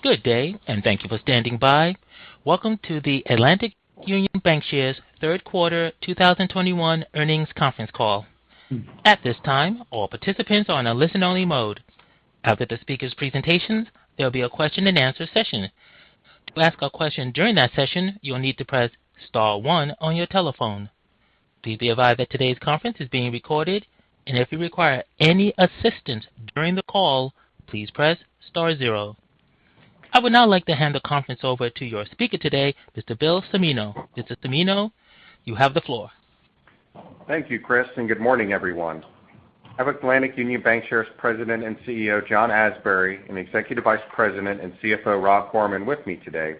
Good day, and thank you for standing by. Welcome to the Atlantic Union Bankshares third quarter 2021 earnings conference call. At this time, all participants are on a listen-only mode. After the speakers' presentations, there will be a question and answer session. To ask a question during that session, you will need to press star one on your telephone. Please be advised that today's conference is being recorded, and if you require any assistance during the call, please press star zero. I would now like to hand the conference over to your speaker today, Mr. Bill Cimino. Mr. Cimino, you have the floor. Thank you, Chris, and good morning, everyone. I have Atlantic Union Bankshares President and CEO, John Asbury, and Executive Vice President and CFO, Rob Gorman, with me today.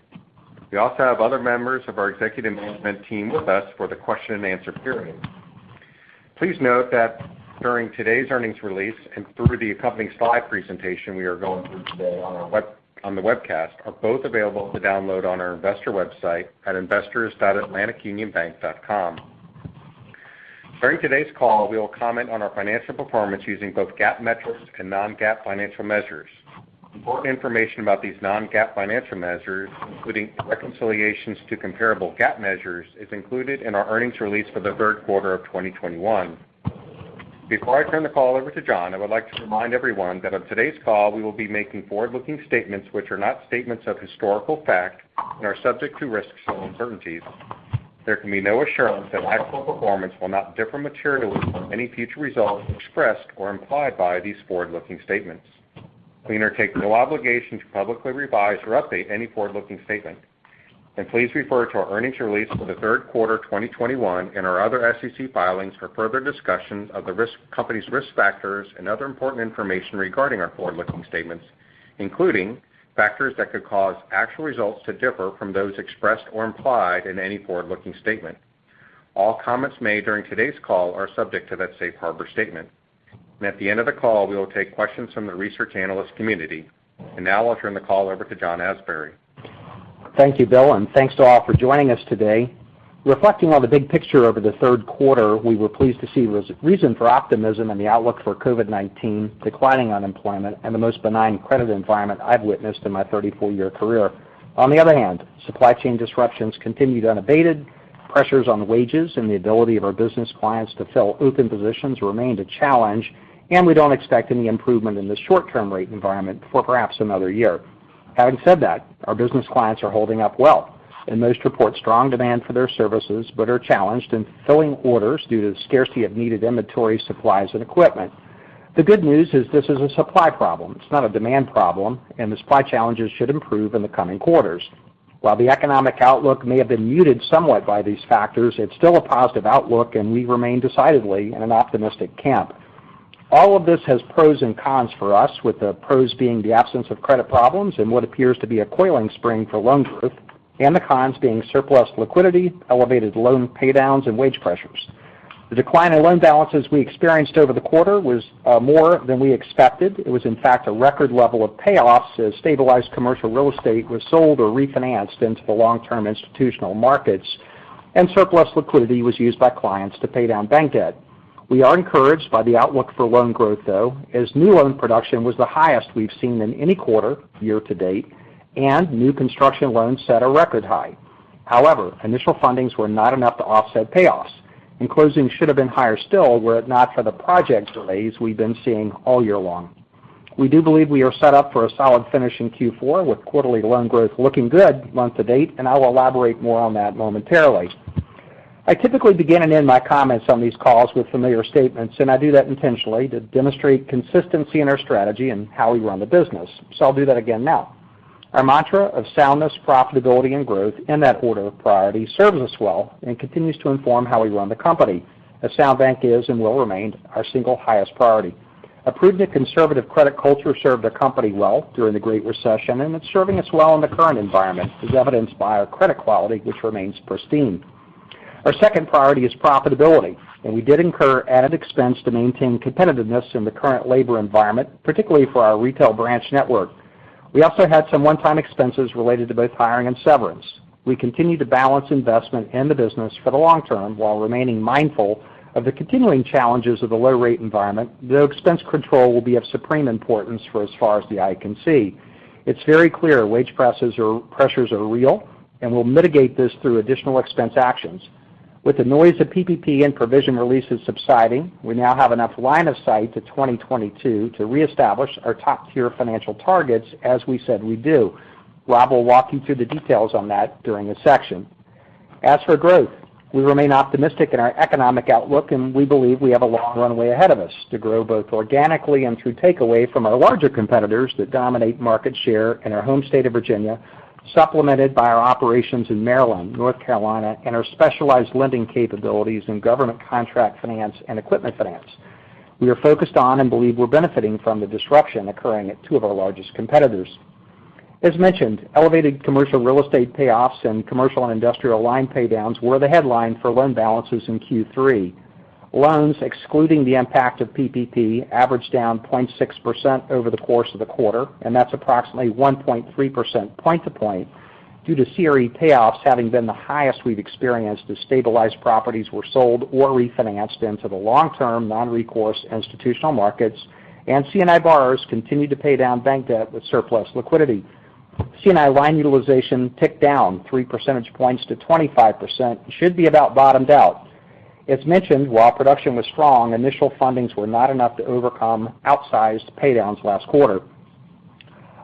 We also have other members of our executive management team with us for the question and answer period. Please note that during today's earnings release and through the accompanying slide presentation we are going through today on the webcast are both available to download on our investor website at investors.atlanticunionbank.com. During today's call, we will comment on our financial performance using both GAAP metrics and non-GAAP financial measures. Important information about these non-GAAP financial measures, including reconciliations to comparable GAAP measures, is included in our earnings release for the third quarter of 2021. Before I turn the call over to John, I would like to remind everyone that on today's call, we will be making forward-looking statements which are not statements of historical fact and are subject to risks and uncertainties. There can be no assurance that actual performance will not differ materially from any future results expressed or implied by these forward-looking statements. We undertake no obligation to publicly revise or update any forward-looking statement. Please refer to our earnings release for the third quarter 2021 and our other SEC filings for further discussion of the company's risk factors and other important information regarding our forward-looking statements, including factors that could cause actual results to differ from those expressed or implied in any forward-looking statement. All comments made during today's call are subject to that safe harbor statement. At the end of the call, we will take questions from the research analyst community. Now I'll turn the call over to John Asbury. Thank you, Bill, and thanks to all for joining us today. Reflecting on the big picture over the third quarter, we were pleased to see reason for optimism in the outlook for COVID-19, declining unemployment, and the most benign credit environment I've witnessed in my 34-year career. On the other hand, supply chain disruptions continued unabated, pressures on wages and the ability of our business clients to fill open positions remained a challenge, and we don't expect any improvement in the short-term rate environment for perhaps another year. Having said that, our business clients are holding up well, and most report strong demand for their services but are challenged in filling orders due to scarcity of needed inventory, supplies, and equipment. The good news is this is a supply problem. It's not a demand problem, and the supply challenges should improve in the coming quarters. While the economic outlook may have been muted somewhat by these factors, it's still a positive outlook, and we remain decidedly in an optimistic camp. All of this has pros and cons for us, with the pros being the absence of credit problems and what appears to be a coiling spring for loan growth, and the cons being surplus liquidity, elevated loan paydowns, and wage pressures. The decline in loan balances we experienced over the quarter was more than we expected. It was, in fact, a record level of payoffs as stabilized commercial real estate was sold or refinanced into the long-term institutional markets, and surplus liquidity was used by clients to pay down bank debt. We are encouraged by the outlook for loan growth, though, as new loan production was the highest we've seen in any quarter year-to-date, and new construction loans set a record high. However, initial fundings were not enough to offset payoffs, and closings should have been higher still were it not for the project delays we've been seeing all year long. We do believe we are set up for a solid finish in Q4 with quarterly loan growth looking good month-to-date, and I will elaborate more on that momentarily. I typically begin and end my comments on these calls with familiar statements, and I do that intentionally to demonstrate consistency in our strategy and how we run the business. I'll do that again now. Our mantra of soundness, profitability and growth in that order of priority serves us well and continues to inform how we run the company. A sound bank is and will remain our single highest priority. A proven and conservative credit culture served our company well during the Great Recession, and it's serving us well in the current environment, as evidenced by our credit quality, which remains pristine. Our second priority is profitability, and we did incur added expense to maintain competitiveness in the current labor environment, particularly for our retail branch network. We also had some one-time expenses related to both hiring and severance. We continue to balance investment in the business for the long term while remaining mindful of the continuing challenges of the low rate environment, though expense control will be of supreme importance for as far as the eye can see. It's very clear wage pressures are real, and we'll mitigate this through additional expense actions. With the noise of PPP and provision releases subsiding, we now have enough line of sight to 2022 to reestablish our top-tier financial targets as we said we do. Rob will walk you through the details on that during his section. As for growth, we remain optimistic in our economic outlook, and we believe we have a long runway ahead of us to grow both organically and through takeaway from our larger competitors that dominate market share in our home state of Virginia, supplemented by our operations in Maryland, North Carolina, and our specialized lending capabilities in government contract finance and equipment finance. We are focused on and believe we're benefiting from the disruption occurring at two of our largest competitors. As mentioned, elevated commercial real estate payoffs and commercial and industrial line paydowns were the headline for loan balances in Q3. Loans, excluding the impact of PPP, averaged down 0.6% over the course of the quarter, and that's approximately 1.3% point-to-point. Due to CRE payoffs having been the highest we've experienced as stabilized properties were sold or refinanced into the long-term non-recourse institutional markets, and C&I borrowers continued to pay down bank debt with surplus liquidity. C&I line utilization ticked down 3 percentage points to 25%, and should be about bottomed out. As mentioned, while production was strong, initial fundings were not enough to overcome outsized pay-downs last quarter.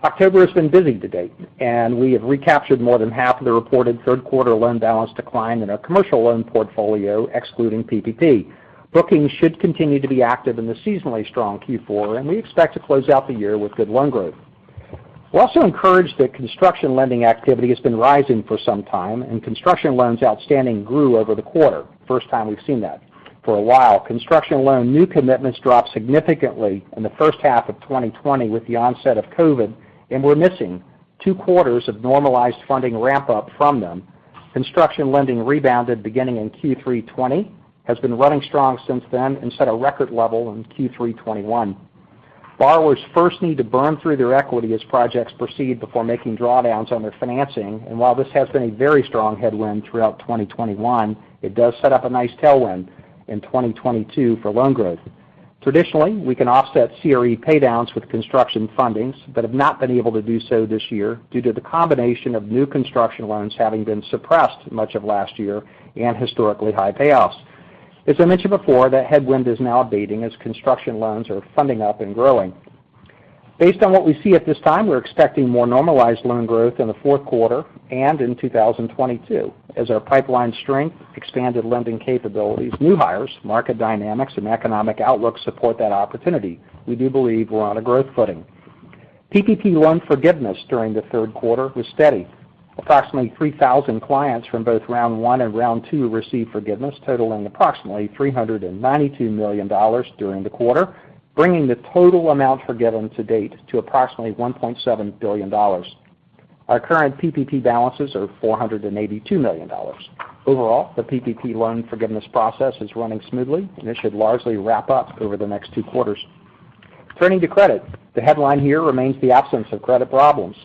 October has been busy to date, and we have recaptured more than half of the reported third quarter loan balance decline in our commercial loan portfolio, excluding PPP. Bookings should continue to be active in the seasonally strong Q4, and we expect to close out the year with good loan growth. We're also encouraged that construction lending activity has been rising for some time, and construction loans outstanding grew over the quarter. First time we've seen that for a while. Construction loan new commitments dropped significantly in the first half of 2020 with the onset of COVID, and we're missing two quarters of normalized funding ramp-up from them. Construction lending rebounded beginning in Q3 2020, has been running strong since then, and set a record level in Q3 2021. Borrowers first need to burn through their equity as projects proceed before making drawdowns on their financing, and while this has been a very strong headwind throughout 2021, it does set up a nice tailwind in 2022 for loan growth. Traditionally, we can offset CRE paydowns with construction fundings but have not been able to do so this year due to the combination of new construction loans having been suppressed much of last year and historically high payoffs. As I mentioned before, that headwind is now abating as construction loans are funding up and growing. Based on what we see at this time, we're expecting more normalized loan growth in the fourth quarter and in 2022 as our pipeline strength, expanded lending capabilities, new hires, market dynamics, and economic outlook support that opportunity. We do believe we're on a growth footing. PPP loan forgiveness during the third quarter was steady. Approximately 3,000 clients from both round one and round two received forgiveness totaling approximately $392 million during the quarter, bringing the total amount forgiven to date to approximately $1.7 billion. Our current PPP balances are $482 million. Overall, the PPP loan forgiveness process is running smoothly, and it should largely wrap up over the next two quarters. Turning to credit. The headline here remains the absence of credit problems.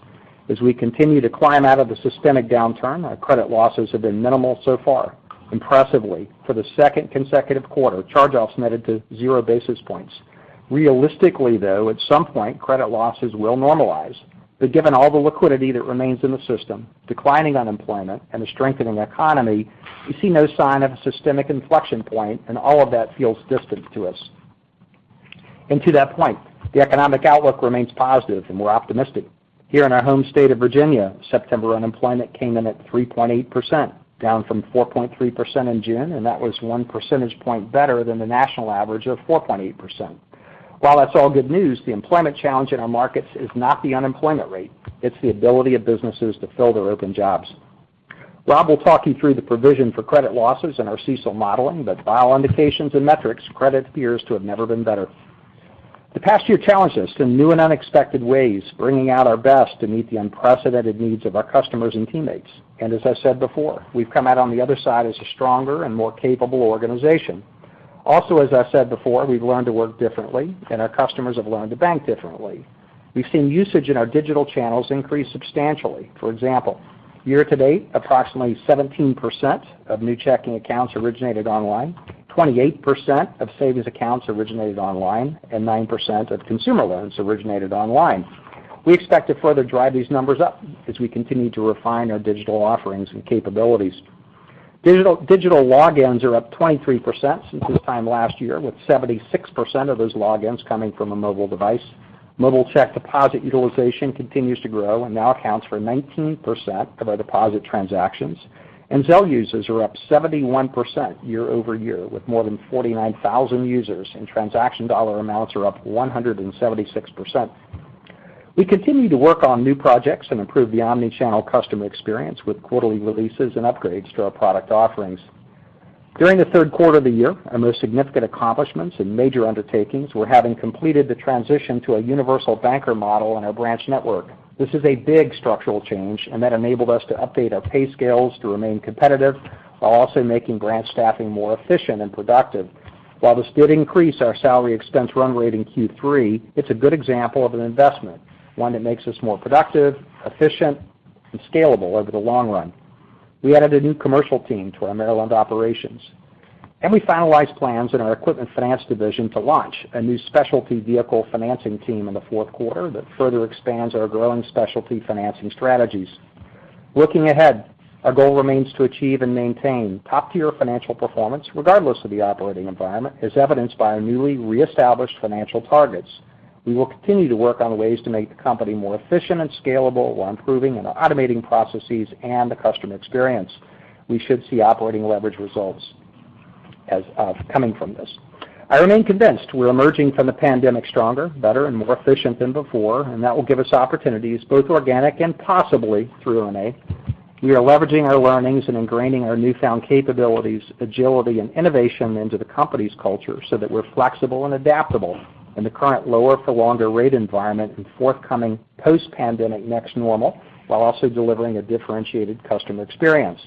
As we continue to climb out of the systemic downturn, our credit losses have been minimal so far. Impressively, for the second consecutive quarter, charge-offs netted to 0 basis points. Realistically, though, at some point, credit losses will normalize. Given all the liquidity that remains in the system, declining unemployment, and a strengthening economy, we see no sign of a systemic inflection point, and all of that feels distant to us. To that point, the economic outlook remains positive, and we're optimistic. Here in our home state of Virginia, September unemployment came in at 3.8%, down from 4.3% in June, and that was one percentage point better than the national average of 4.8%. While that's all good news, the employment challenge in our markets is not the unemployment rate, it's the ability of businesses to fill their open jobs. Rob will talk you through the provision for credit losses in our CECL modeling, but by all indications and metrics, credit appears to have never been better. The past year challenged us in new and unexpected ways, bringing out our best to meet the unprecedented needs of our customers and teammates. As I said before, we've come out on the other side as a stronger and more capable organization. Also, as I said before, we've learned to work differently, and our customers have learned to bank differently. We've seen usage in our digital channels increase substantially. For example, year to date, approximately 17% of new checking accounts originated online, 28% of savings accounts originated online, and 9% of consumer loans originated online. We expect to further drive these numbers up as we continue to refine our digital offerings and capabilities. Digital logins are up 23% since this time last year, with 76% of those logins coming from a mobile device. Mobile check deposit utilization continues to grow and now accounts for 19% of our deposit transactions, and Zelle users are up 71% year-over-year, with more than 49,000 users and transaction dollar amounts are up 176%. We continue to work on new projects and improve the omni-channel customer experience with quarterly releases and upgrades to our product offerings. During the third quarter of the year, our most significant accomplishments and major undertakings were having completed the transition to a universal banker model in our branch network. This is a big structural change, and that enabled us to update our pay scales to remain competitive while also making branch staffing more efficient and productive. While this did increase our salary expense run rate in Q3, it's a good example of an investment. One that makes us more productive, efficient, and scalable over the long run. We added a new commercial team to our Maryland operations. We finalized plans in our equipment finance division to launch a new specialty vehicle financing team in the fourth quarter that further expands our growing specialty financing strategies. Looking ahead, our goal remains to achieve and maintain top-tier financial performance regardless of the operating environment, as evidenced by our newly re-established financial targets. We will continue to work on ways to make the company more efficient and scalable while improving and automating processes and the customer experience. We should see operating leverage results coming from this. I remain convinced we're emerging from the pandemic stronger, better, and more efficient than before, and that will give us opportunities both organic and possibly through M&A. We are leveraging our learnings and ingraining our newfound capabilities, agility, and innovation into the company's culture so that we're flexible and adaptable in the current lower for longer rate environment and forthcoming post-pandemic next normal, while also delivering a differentiated customer experience.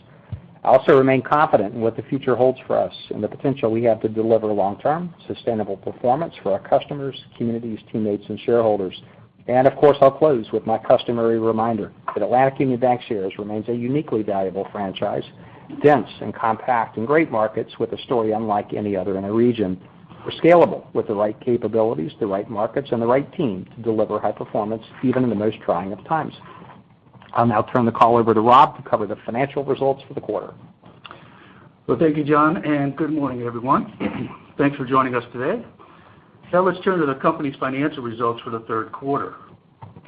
I also remain confident in what the future holds for us and the potential we have to deliver long-term sustainable performance for our customers, communities, teammates, and shareholders. Of course, I'll close with my customary reminder that Atlantic Union Bankshares remains a uniquely valuable franchise, dense and compact in great markets with a story unlike any other in the region. We're scalable with the right capabilities, the right markets, and the right team to deliver high performance even in the most trying of times. I'll now turn the call over to Rob to cover the financial results for the quarter. Well, thank you, John, and good morning, everyone. Thanks for joining us today. Now let's turn to the company's financial results for the third quarter.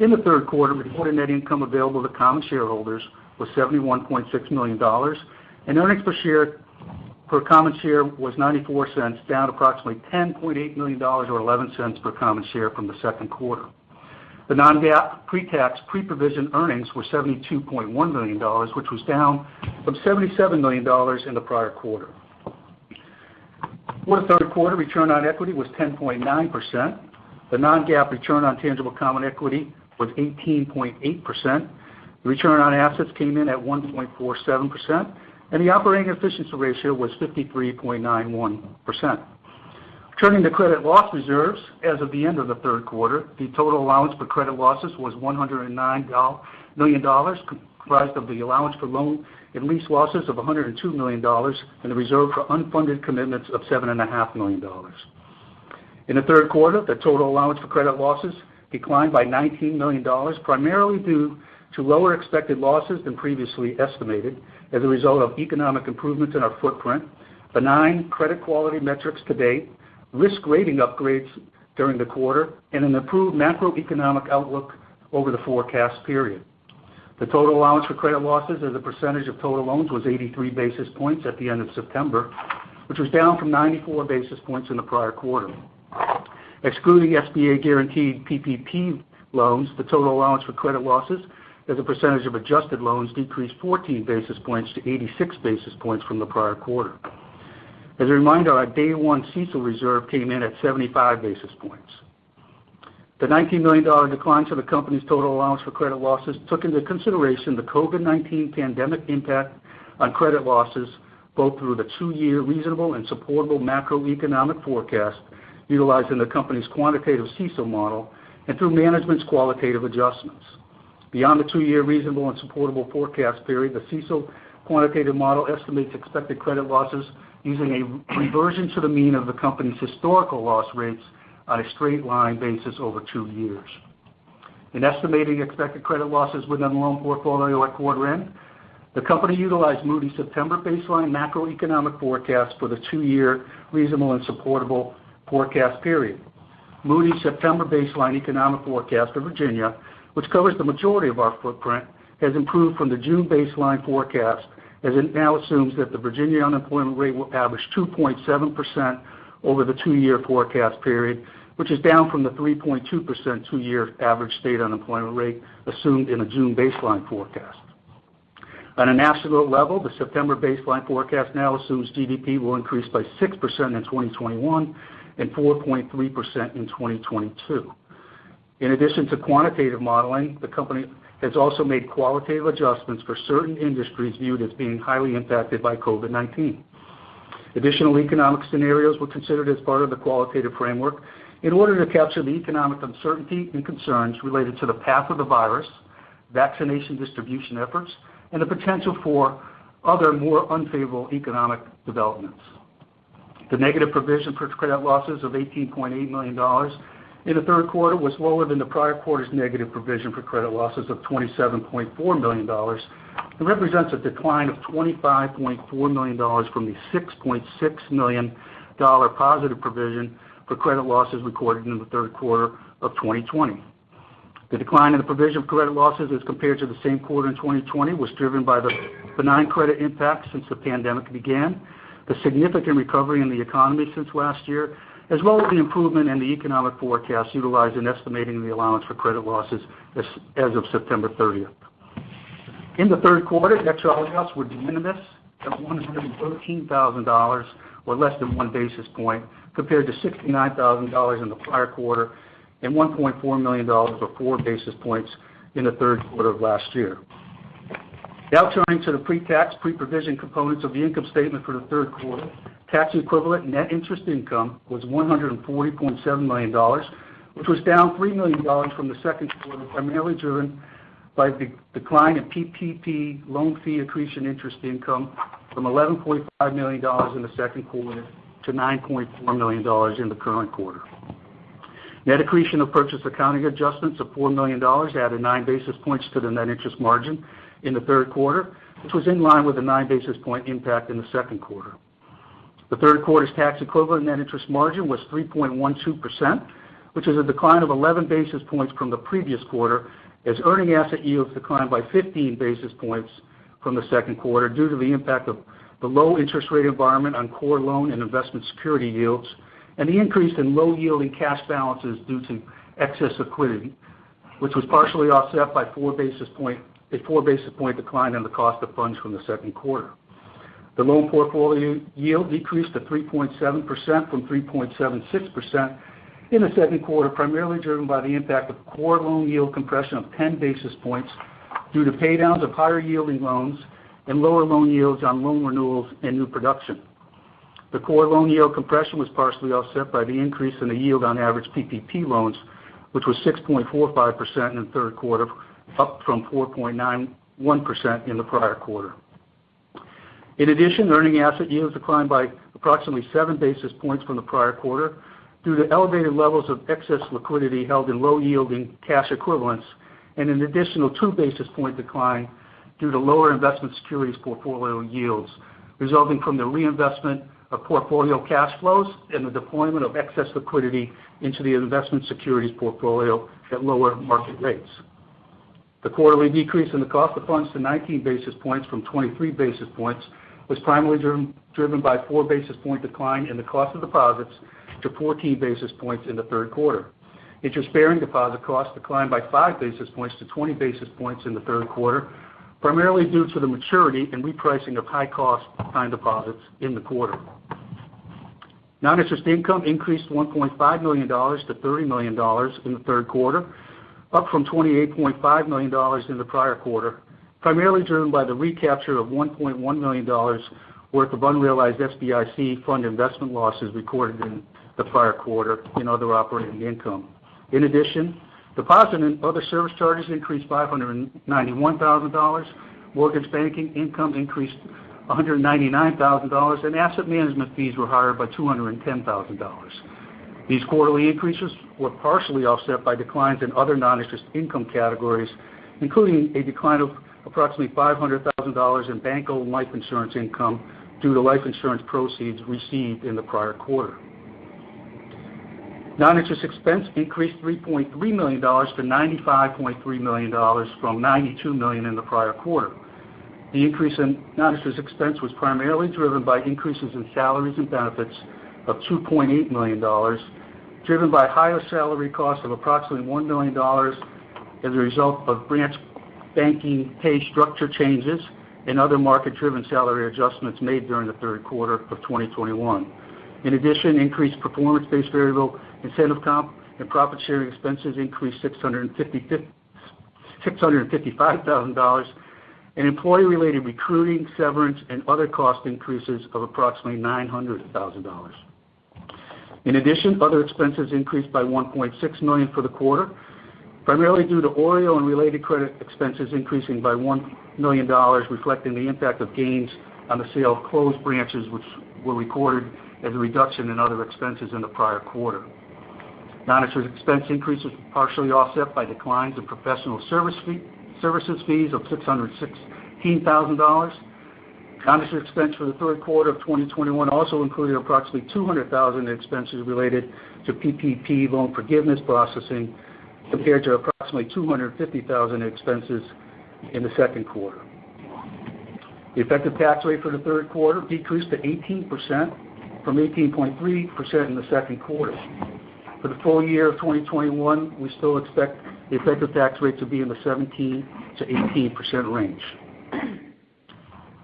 In the third quarter, reported net income available to common shareholders was $71.6 million, and earnings per common share was $0.94, down approximately $10.8 million, or $0.11 per common share from the second quarter. The non-GAAP pre-tax, pre-provision earnings were $72.1 million, which was down from $77 million in the prior quarter. For the third quarter, return on equity was 10.9%. The non-GAAP return on tangible common equity was 18.8%. Return on assets came in at 1.47%, and the operating efficiency ratio was 53.91%. Turning to credit loss reserves, as of the end of the third quarter, the total allowance for credit losses was $109 million, comprised of the allowance for loan and lease losses of $102 million, and the reserve for unfunded commitments of $7.5 million. In the third quarter, the total allowance for credit losses declined by $19 million, primarily due to lower expected losses than previously estimated as a result of economic improvements in our footprint, benign credit quality metrics to date, risk rating upgrades during the quarter, and an improved macroeconomic outlook over the forecast period. The total allowance for credit losses as a percentage of total loans was 83 basis points at the end of September, which was down from 94 basis points in the prior quarter. Excluding SBA-guaranteed PPP loans, the total allowance for credit losses as a percentage of adjusted loans decreased 14 basis points to 86 basis points from the prior quarter. As a reminder, our day one CECL reserve came in at 75 basis points. The $19 million decline to the company's total allowance for credit losses took into consideration the COVID-19 pandemic impact on credit losses, both through the two-year reasonable and supportable macroeconomic forecast utilized in the company's quantitative CECL model and through management's qualitative adjustments. Beyond the two-year reasonable and supportable forecast period, the CECL quantitative model estimates expected credit losses using a reversion to the mean of the company's historical loss rates on a straight line basis over two years. In estimating expected credit losses within the loan portfolio at quarter end, the company utilized Moody's September baseline macroeconomic forecast for the two-year reasonable and supportable forecast period. Moody's September baseline economic forecast of Virginia, which covers the majority of our footprint, has improved from the June baseline forecast as it now assumes that the Virginia unemployment rate will average 2.7% over the two-year forecast period, which is down from the 3.2% two-year average state unemployment rate assumed in the June baseline forecast. On a national level, the September baseline forecast now assumes GDP will increase by 6% in 2021 and 4.3% in 2022. In addition to quantitative modeling, the company has also made qualitative adjustments for certain industries viewed as being highly impacted by COVID-19. Additional economic scenarios were considered as part of the qualitative framework in order to capture the economic uncertainty and concerns related to the path of the virus, vaccination distribution efforts, and the potential for other, more unfavorable economic developments. The negative provision for credit losses of $18.8 million in the third quarter was lower than the prior quarter's negative provision for credit losses of $27.4 million and represents a decline of $25.4 million from the $6.6 million positive provision for credit losses recorded in the third quarter of 2020. The decline in the provision of credit losses as compared to the same quarter in 2020 was driven by the benign credit impact since the pandemic began, the significant recovery in the economy since last year, as well as the improvement in the economic forecast utilized in estimating the allowance for credit losses as of September 30th. In the third quarter, net charge-offs were de minimis at $113,000, or less than 1 basis point, compared to $69,000 in the prior quarter and $1.4 million, or 4 basis points, in the third quarter of last year. Now turning to the pre-tax, pre-provision components of the income statement for the third quarter. Tax-equivalent net interest income was $140.7 million, which was down $3 million from the second quarter, primarily driven by the decline in PPP loan fee accretion interest income from $11.5 million in the second quarter to $9.4 million in the current quarter. Net accretion of purchase accounting adjustments of $4 million added 9 basis points to the net interest margin in the third quarter, which was in line with the 9 basis point impact in the second quarter. The third quarter's tax-equivalent net interest margin was 3.12%, which is a decline of 11 basis points from the previous quarter, as earning asset yields declined by 15 basis points from the second quarter due to the impact of the low interest rate environment on core loan and investment security yields and the increase in low-yielding cash balances due to excess liquidity, which was partially offset by a 4 basis point decline in the cost of funds from the second quarter. The loan portfolio yield decreased to 3.7% from 3.76% in the second quarter, primarily driven by the impact of core loan yield compression of 10 basis points due to pay downs of higher yielding loans and lower loan yields on loan renewals and new production. The core loan yield compression was partially offset by the increase in the yield on average PPP loans, which was 6.45% in the third quarter, up from 4.91% in the prior quarter. In addition, earning asset yields declined by approximately 7 basis points from the prior quarter due to elevated levels of excess liquidity held in low yielding cash equivalents and an additional 2 basis point decline due to lower investment securities portfolio yields, resulting from the reinvestment of portfolio cash flows and the deployment of excess liquidity into the investment securities portfolio at lower market rates. The quarterly decrease in the cost of funds to 19 basis points from 23 basis points was primarily driven by 4 basis point decline in the cost of deposits to 14 basis points in the third quarter. Interest-bearing deposit costs declined by 5 basis points to 20 basis points in the third quarter, primarily due to the maturity and repricing of high-cost time deposits in the quarter. Non-interest income increased $1.5 million to $30 million in the third quarter, up from $28.5 million in the prior quarter, primarily driven by the recapture of $1.1 million worth of unrealized SBIC fund investment losses recorded in the prior quarter in other operating income. In addition, deposit and other service charges increased $591,000, mortgage banking income increased $199,000, and asset management fees were higher by $210,000. These quarterly increases were partially offset by declines in other non-interest income categories, including a decline of approximately $500,000 in bank-owned life insurance income due to life insurance proceeds received in the prior quarter. Non-interest expense increased $3.3 million to $95.3 million from $92 million in the prior quarter. The increase in non-interest expense was primarily driven by increases in salaries and benefits of $2.8 million, driven by higher salary costs of approximately $1 million as a result of branch banking pay structure changes and other market-driven salary adjustments made during the third quarter of 2021. In addition, increased performance-based variable incentive comp and profit sharing expenses increased $655,000 and employee-related recruiting, severance, and other cost increases of approximately $900,000. In addition, other expenses increased by $1.6 million for the quarter, primarily due to OREO and related credit expenses increasing by $1 million, reflecting the impact of gains on the sale of closed branches, which were recorded as a reduction in other expenses in the prior quarter. Non-interest expense increases were partially offset by declines in professional services fees of $616,000. Non-interest expense for the third quarter of 2021 also included approximately $200,000 in expenses related to PPP loan forgiveness processing, compared to approximately $250,000 in expenses in the second quarter. The effective tax rate for the third quarter decreased to 18% from 18.3% in the second quarter. For the full year of 2021, we still expect the effective tax rate to be in the 17%-18% range.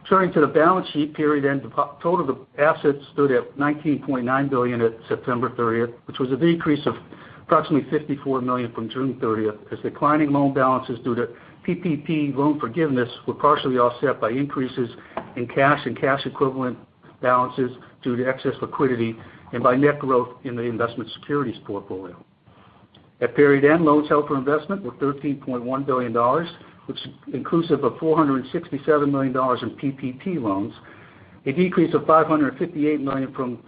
Turning to the balance sheet period end, the total assets stood at $19.9 billion at September 30th, which was a decrease of approximately $54 million from June 30th as declining loan balances due to PPP loan forgiveness were partially offset by increases in cash and cash-equivalent balances due to excess liquidity and by net growth in the investment securities portfolio. At period end, loans held for investment were $13.1 billion, which inclusive of $467 million in PPP loans, a decrease of $558 million from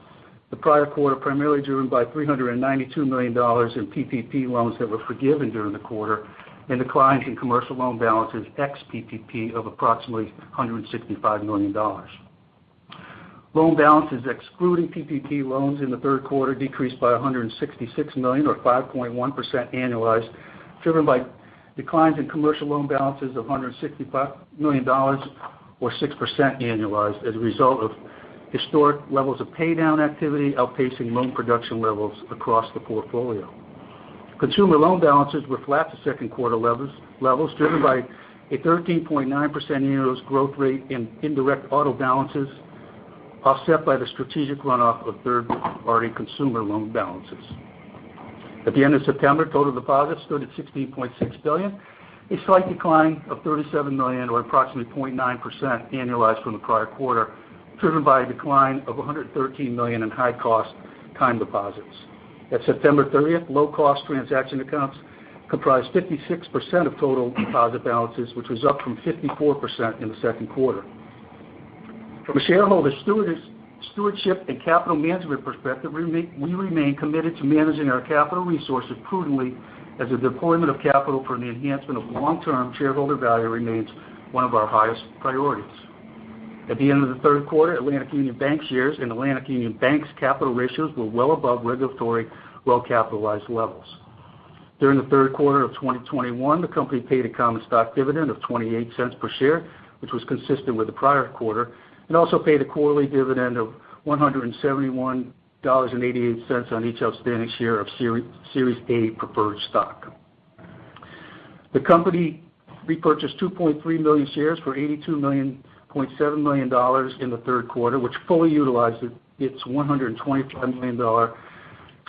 the prior quarter, primarily driven by $392 million in PPP loans that were forgiven during the quarter and declines in commercial loan balances ex-PPP of approximately $165 million. Loan balances excluding PPP loans in the third quarter decreased by $166 million or 5.1% annualized, driven by declines in commercial loan balances of $165 million or 6% annualized as a result of historic levels of pay down activity outpacing loan production levels across the portfolio. Consumer loan balances were flat to second quarter levels, driven by a 13.9% year-over-year growth rate in indirect auto balances, offset by the strategic runoff of third-party consumer loan balances. At the end of September, total deposits stood at $16.6 billion, a slight decline of $37 million or approximately 0.9% annualized from the prior quarter, driven by a decline of $113 million in high-cost time deposits. At September 30th, low-cost transaction accounts comprised 56% of total deposit balances, which was up from 54% in the second quarter. From a shareholder stewardship and capital management perspective, we remain committed to managing our capital resources prudently as the deployment of capital for the enhancement of long-term shareholder value remains one of our highest priorities. At the end of the third quarter, Atlantic Union Bankshares and Atlantic Union Bank's capital ratios were well above regulatory well-capitalized levels. During the third quarter of 2021, the company paid a common stock dividend of $0.28 per share, which was consistent with the prior quarter, and also paid a quarterly dividend of $171.88 on each outstanding share of Series A preferred stock. The company repurchased 2.3 million shares for $82.7 million in the third quarter, which fully utilized its $125 million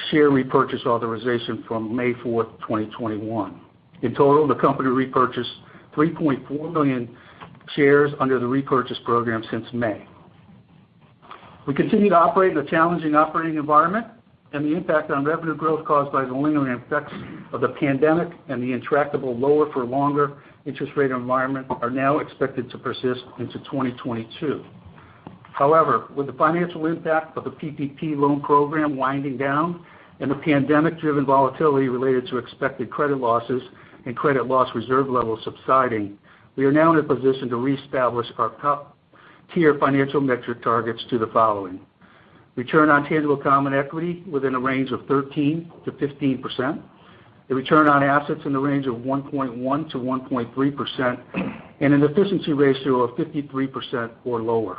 share repurchase authorization from May 4th, 2021. In total, the company repurchased 3.4 million shares under the repurchase program since May. The impact on revenue growth caused by the lingering effects of the pandemic and the intractable lower-for-longer interest rate environment are now expected to persist into 2022. However, with the financial impact of the PPP loan program winding down and the pandemic-driven volatility related to expected credit losses and credit loss reserve levels subsiding, we are now in a position to reestablish our top-tier financial metric targets to the following. Return on tangible common equity within a range of 13%-15%, a return on assets in the range of 1.1%-1.3%, and an efficiency ratio of 53% or lower.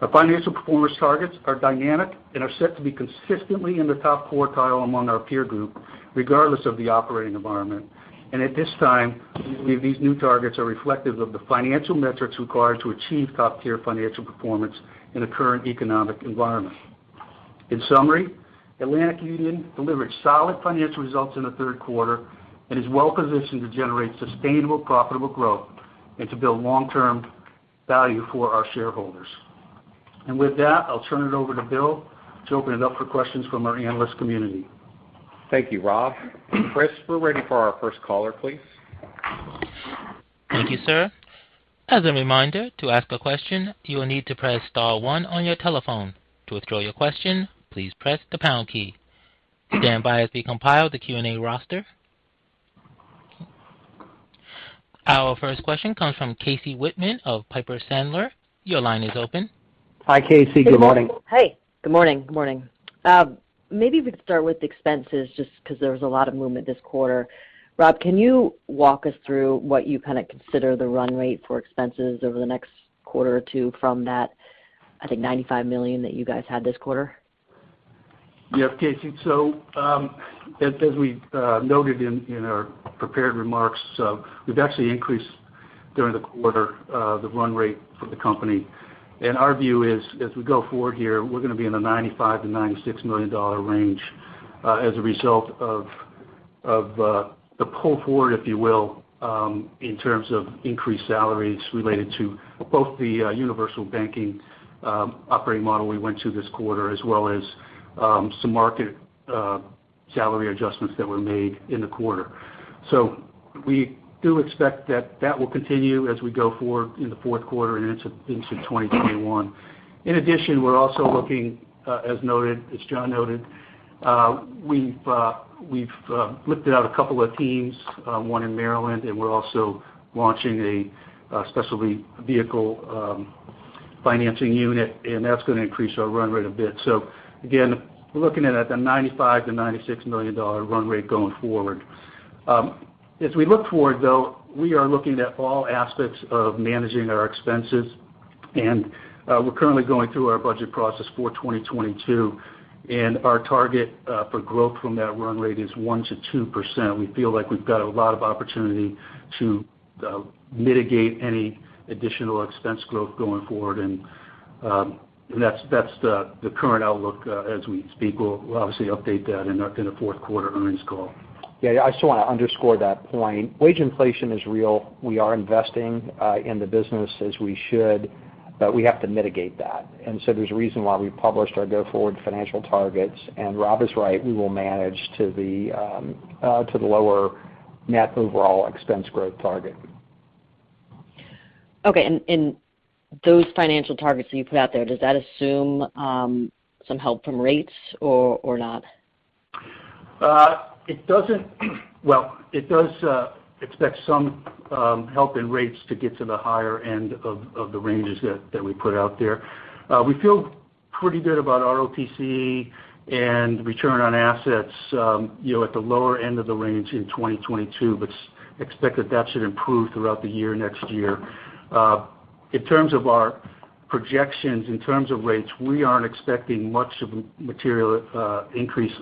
Our financial performance targets are dynamic and are set to be consistently in the top quartile among our peer group, regardless of the operating environment. At this time, we believe these new targets are reflective of the financial metrics required to achieve top-tier financial performance in the current economic environment. In summary, Atlantic Union delivered solid financial results in the third quarter and is well-positioned to generate sustainable profitable growth and to build long-term value for our shareholders. With that, I'll turn it over to Bill to open it up for questions from our analyst community. Thank you, Rob. Chris, we're ready for our first caller, please. Thank you, sir. Our first question comes from Casey Whitman of Piper Sandler. Your line is open. Hi, Casey. Good morning. Hey. Good morning. Maybe we could start with expenses just because there was a lot of movement this quarter. Rob, can you walk us through what you kind of consider the run rate for expenses over the next quarter or two from that, I think, $95 million that you guys had this quarter? Yes, Casey. As we noted in our prepared remarks, we've actually increased during the quarter the run rate for the company. Our view is, as we go forward here, we're going to be in the $95 million-$96 million range as a result of the pull forward, if you will, in terms of increased salaries related to both the universal banking operating model we went to this quarter as well as some market salary adjustments that were made in the quarter. We do expect that that will continue as we go forward in the fourth quarter and into 2021. In addition, we're also looking, as John noted, we've lifted out a couple of teams, one in Maryland, and we're also launching a specialty vehicle financing unit, and that's going to increase our run rate a bit. Again, we're looking at the $95 million-$96 million run rate going forward. As we look forward, though, we are looking at all aspects of managing our expenses, and we're currently going through our budget process for 2022, and our target for growth from that run rate is 1%-2%. We feel like we've got a lot of opportunity to mitigate any additional expense growth going forward, and that's the current outlook as we speak. We'll obviously update that in the fourth quarter earnings call. Yeah, I just want to underscore that point. Wage inflation is real. We are investing in the business as we should. We have to mitigate that. There's a reason why we published our go-forward financial targets. Rob is right, we will manage to the lower net overall expense growth target. Okay. Those financial targets that you put out there, does that assume some help from rates or not? It doesn't. Well, it does expect some help in rates to get to the higher end of the ranges that we put out there. We feel pretty good about ROTCE and return on assets at the lower end of the range in 2022, but expect that that should improve throughout the year next year. In terms of our projections, in terms of rates, we aren't expecting much of a material increase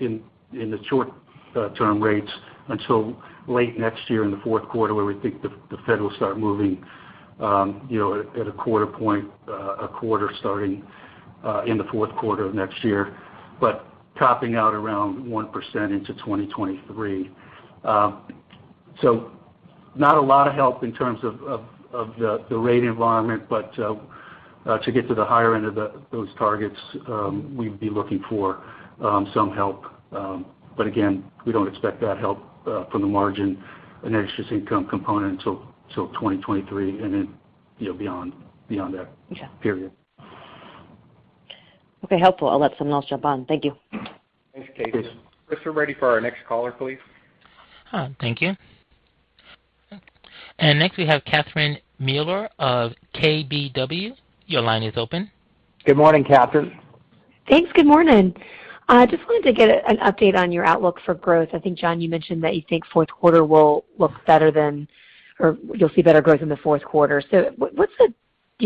in the short-term rates until late next year in the fourth quarter, where we think the Fed will start moving at a quarter point, a quarter starting in the fourth quarter of next year, but topping out around 1% into 2023. Not a lot of help in terms of the rate environment, but to get to the higher end of those targets, we'd be looking for some help. Again, we don't expect that help from the margin and interest income component until 2023 and then beyond that period. Okay. Helpful. I'll let someone else jump on. Thank you. Thanks, Casey. Chris, we're ready for our next caller, please. Thank you. Next we have Catherine Mealor of KBW. Your line is open. Good morning, Catherine. Thanks. Good morning. Just wanted to get an update on your outlook for growth. I think, John, you mentioned that you think fourth quarter will look better or you'll see better growth in the fourth quarter. Do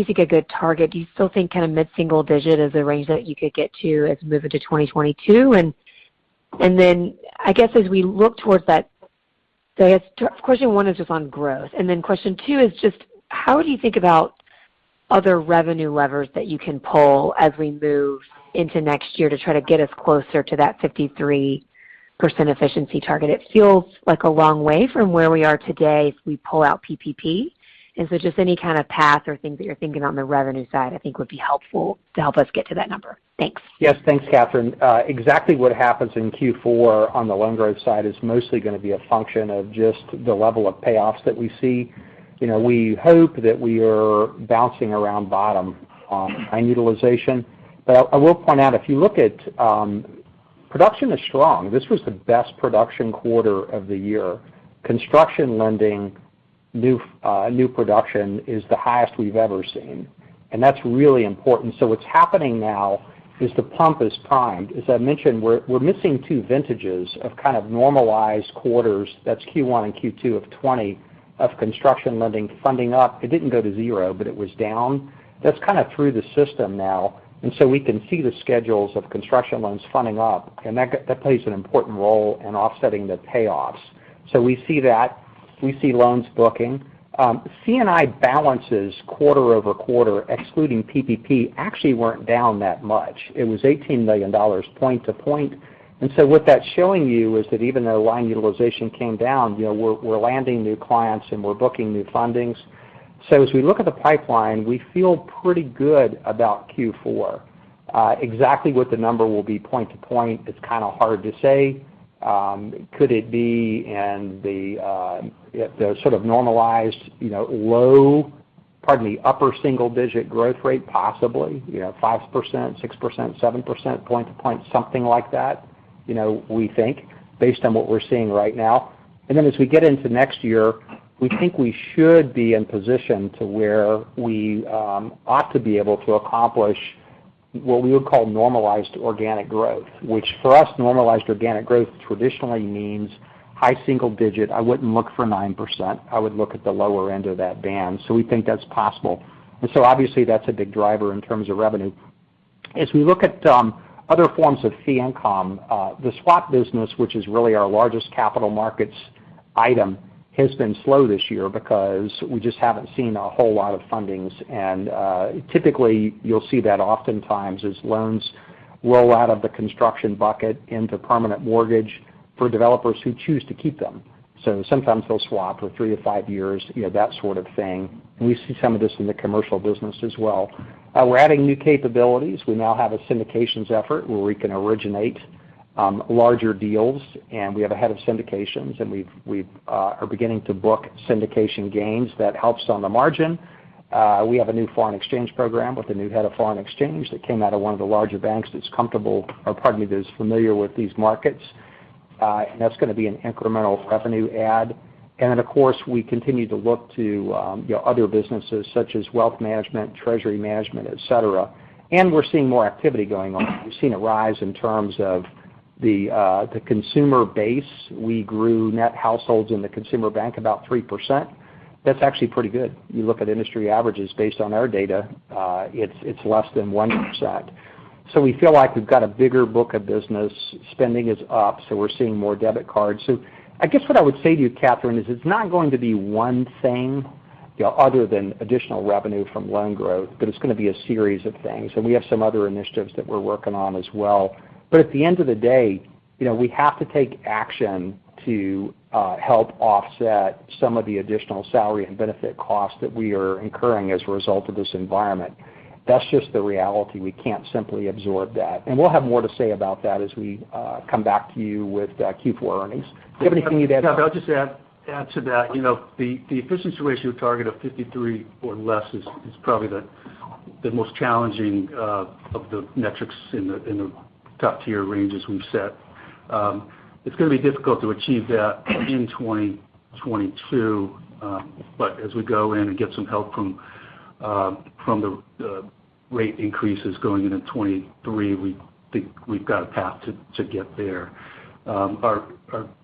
you think a good target, do you still think mid-single digit is a range that you could get to as we move into 2022? I guess as we look towards that, I guess question one is just on growth. Question two is just how do you think about other revenue levers that you can pull as we move into next year to try to get us closer to that 53% efficiency target? It feels like a long way from where we are today if we pull out PPP. Just any kind of path or things that you're thinking on the revenue side, I think would be helpful to help us get to that number. Thanks. Yes. Thanks, Catherine. Exactly what happens in Q4 on the loan growth side is mostly going to be a function of just the level of payoffs that we see. We hope that we are bouncing around bottom on line utilization. I will point out, if you look at production is strong. This was the best production quarter of the year. Construction lending, new production is the highest we've ever seen, and that's really important. What's happening now is the pump is primed. As I mentioned, we're missing two vintages of kind of normalized quarters. That's Q1 and Q2 of 2020 of construction lending funding up. It didn't go to zero, but it was down. That's kind of through the system now, and so we can see the schedules of construction loans funding up, and that plays an important role in offsetting the payoffs. We see that. We see loans booking. C&I balances quarter-over-quarter, excluding PPP, actually weren't down that much. It was $18 million point to point. What that's showing you is that even though line utilization came down, we're landing new clients and we're booking new fundings. As we look at the pipeline, we feel pretty good about Q4. Exactly what the number will be point to point, it's kind of hard to say. Could it be in the sort of normalized low, pardon me, upper single-digit growth rate? Possibly. 5%, 6%, 7% point to point, something like that, we think, based on what we're seeing right now. As we get into next year, we think we should be in position to where we ought to be able to accomplish what we would call normalized organic growth. Which for us, normalized organic growth traditionally means high single digit. I wouldn't look for 9%. I would look at the lower end of that band. Obviously, that's a big driver in terms of revenue. As we look at other forms of fee income, the swap business, which is really our largest capital markets item, has been slow this year because we just haven't seen a whole lot of fundings. Typically, you'll see that oftentimes as loans roll out of the construction bucket into permanent mortgage for developers who choose to keep them. Sometimes they'll swap for 3-5 years, that sort of thing. We see some of this in the commercial business as well. We're adding new capabilities. We now have a syndications effort where we can originate larger deals, and we have a head of syndications, and we are beginning to book syndication gains. That helps on the margin. We have a new foreign exchange program with a new head of foreign exchange that came out of one of the larger banks that's comfortable, or pardon me, that is familiar with these markets. That's going to be an incremental revenue add. Then, of course, we continue to look to other businesses such as wealth management, treasury management, et cetera. We're seeing more activity going on. We've seen a rise in terms of the consumer base. We grew net households in the consumer bank about 3%. That's actually pretty good. You look at industry averages based on our data, it's less than 1%. We feel like we've got a bigger book of business. Spending is up. We're seeing more debit cards. I guess what I would say to you, Catherine, is it's not going to be one thing other than additional revenue from loan growth, but it's going to be a series of things. We have some other initiatives that we're working on as well. At the end of the day, we have to take action to help offset some of the additional salary and benefit costs that we are incurring as a result of this environment. That's just the reality. We can't simply absorb that. We'll have more to say about that as we come back to you with Q4 earnings. Do you have anything you'd add? I'll just add to that. The efficiency ratio target of 53 or less is probably the most challenging of the metrics in the top-tier range as we've set. It's going to be difficult to achieve that in 2022. As we go in and get some help from the rate increases going into 2023, we think we've got a path to get there. Our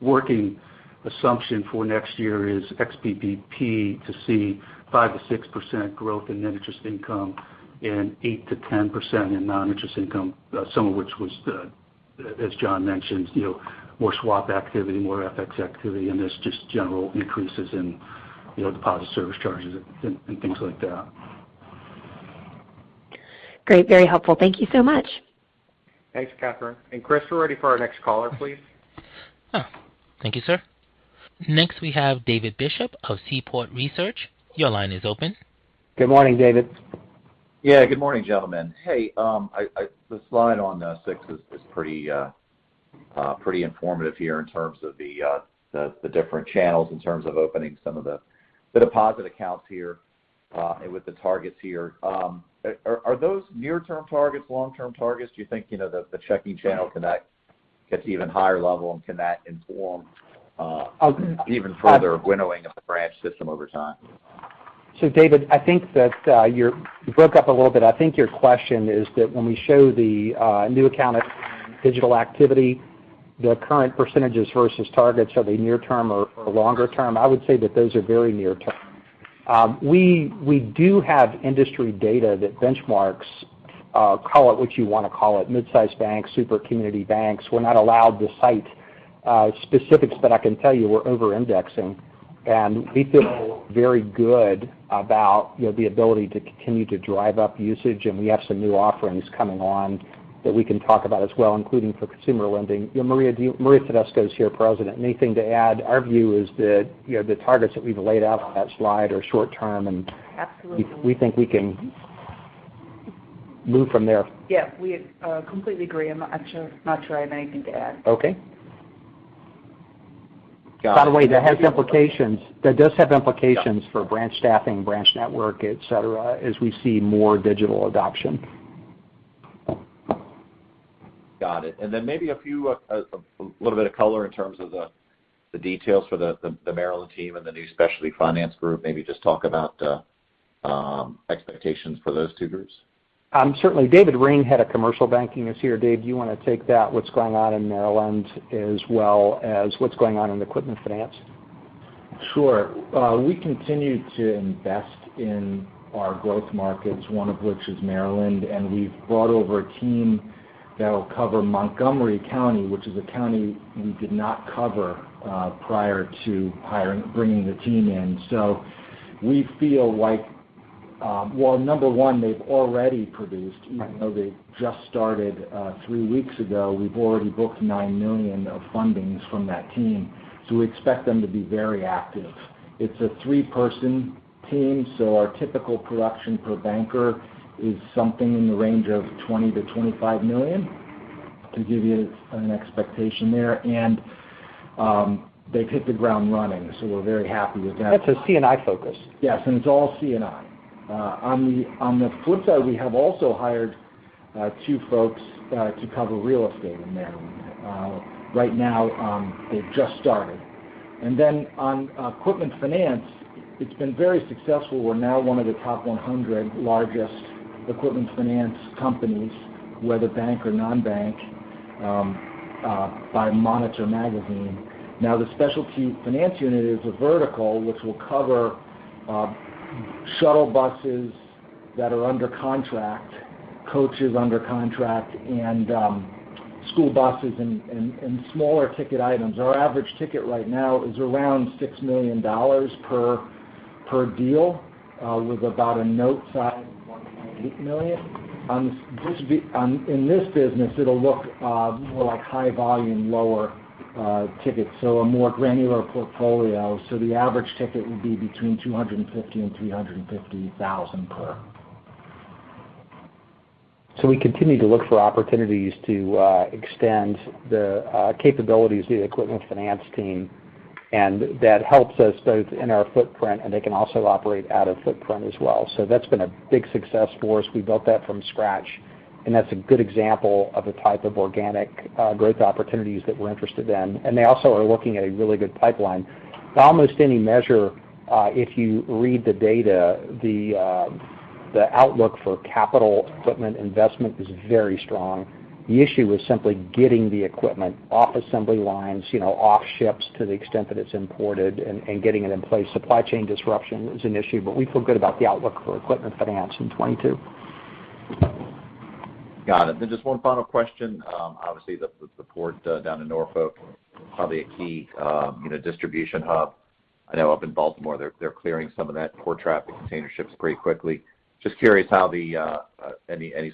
working assumption for next year is ex PPP to see 5%-6% growth in net interest income and 8%-10% in non-interest income. Some of which was, as John mentioned, more swap activity, more FX activity, and there's just general increases in deposit service charges and things like that. Great. Very helpful. Thank you so much. Thanks, Catherine. Chris, we're ready for our next caller, please. Oh, thank you, sir. Next we have David Bishop of Seaport Research. Your line is open. Good morning, David. Good morning, gentlemen. The slide on six is pretty informative here in terms of the different channels in terms of opening some of the deposit accounts here, and with the targets here. Are those near-term targets, long-term targets? Do you think the checking channel can get to even higher level? Can that inform even further winnowing of the branch system over time? David, I think that you broke up a little bit. I think your question is that when we show the new account digital activity, the current percentages versus targets, are they near-term or longer-term? I would say that those are very near-term. We do have industry data that benchmarks, call it what you want to call it, midsize banks, super community banks. We're not allowed to cite specifics, but I can tell you we're over-indexing, and we feel very good about the ability to continue to drive up usage. We have some new offerings coming on that we can talk about as well, including for consumer lending. Maria P. Tedesco is here, President. Anything to add? Our view is that the targets that we've laid out on that slide are short-term. Absolutely. We think we can move from there. Yeah. We completely agree. I'm not sure I have anything to add. Okay. Got it. By the way, that does have implications for branch staffing, branch network, et cetera, as we see more digital adoption. Got it. Maybe a little bit of color in terms of the details for the Maryland team and the new specialty finance group. Maybe just talk about expectations for those two groups. Certainly. David V. Ring, head of commercial banking, is here. Dave, do you want to take that, what's going on in Maryland, as well as what's going on in equipment finance? Sure. We continue to invest in our growth markets, one of which is Maryland, and we've brought over a team that'll cover Montgomery County, which is a county we did not cover prior to bringing the team in. We feel like, well, number one, they've already produced. Even though they just started three weeks ago, we've already booked $9 million of fundings from that team. We expect them to be very active. It's a three-person team, so our typical production per banker is something in the range of $20 million-$25 million, to give you an expectation there. They've hit the ground running, so we're very happy with that. That's a C&I focus. Yes, it's all C&I. On the flip side, we have also hired two folks to cover real estate in Maryland. Right now, they've just started. Then on equipment finance, it's been very successful. We're now one of the top 100 largest equipment finance companies, whether bank or non-bank, by Monitor Magazine. Now, the specialty finance unit is a vertical which will cover shuttle buses that are under contract, coaches under contract, and school buses and smaller ticket items. Our average ticket right now is around $6 million per deal, with about a note size of $1.8 million. In this business, it'll look more like high volume, lower tickets, so a more granular portfolio. The average ticket would be between $250,000 and $350,000 per. We continue to look for opportunities to extend the capabilities of the equipment finance team, and that helps us both in our footprint, and they can also operate out of footprint as well. That's been a big success for us. We built that from scratch, and that's a good example of the type of organic growth opportunities that we're interested in. They also are looking at a really good pipeline. By almost any measure, if you read the data, the outlook for capital equipment investment is very strong. The issue is simply getting the equipment off assembly lines, off ships to the extent that it's imported, and getting it in place. Supply chain disruption is an issue, but we feel good about the outlook for equipment finance in 2022. Got it. Just one final question. Obviously, the port down in Norfolk, probably a key distribution hub. I know up in Baltimore, they're clearing some of that port traffic, container ships pretty quickly. Just curious any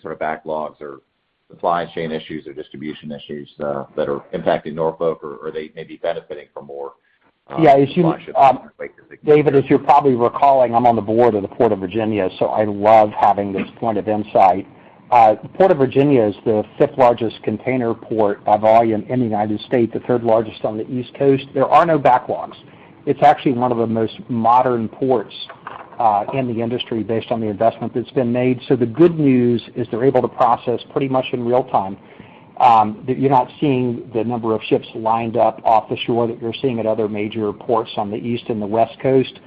sort of backlogs or supply chain issues or distribution issues that are impacting Norfolk, or are they maybe benefiting from more. Yeah. Supply ships coming that way because they can clear them? David, as you're probably recalling, I'm on the board of the Port of Virginia. I love having this point of insight. The Port of Virginia is the fifth largest container port by volume in the U.S., the third largest on the East Coast. There are no backlogs. It's actually one of the most modern ports in the industry based on the investment that's been made. The good news is they're able to process pretty much in real time. You're not seeing the number of ships lined up off the shore that you're seeing at other major ports on the East and the West Coast.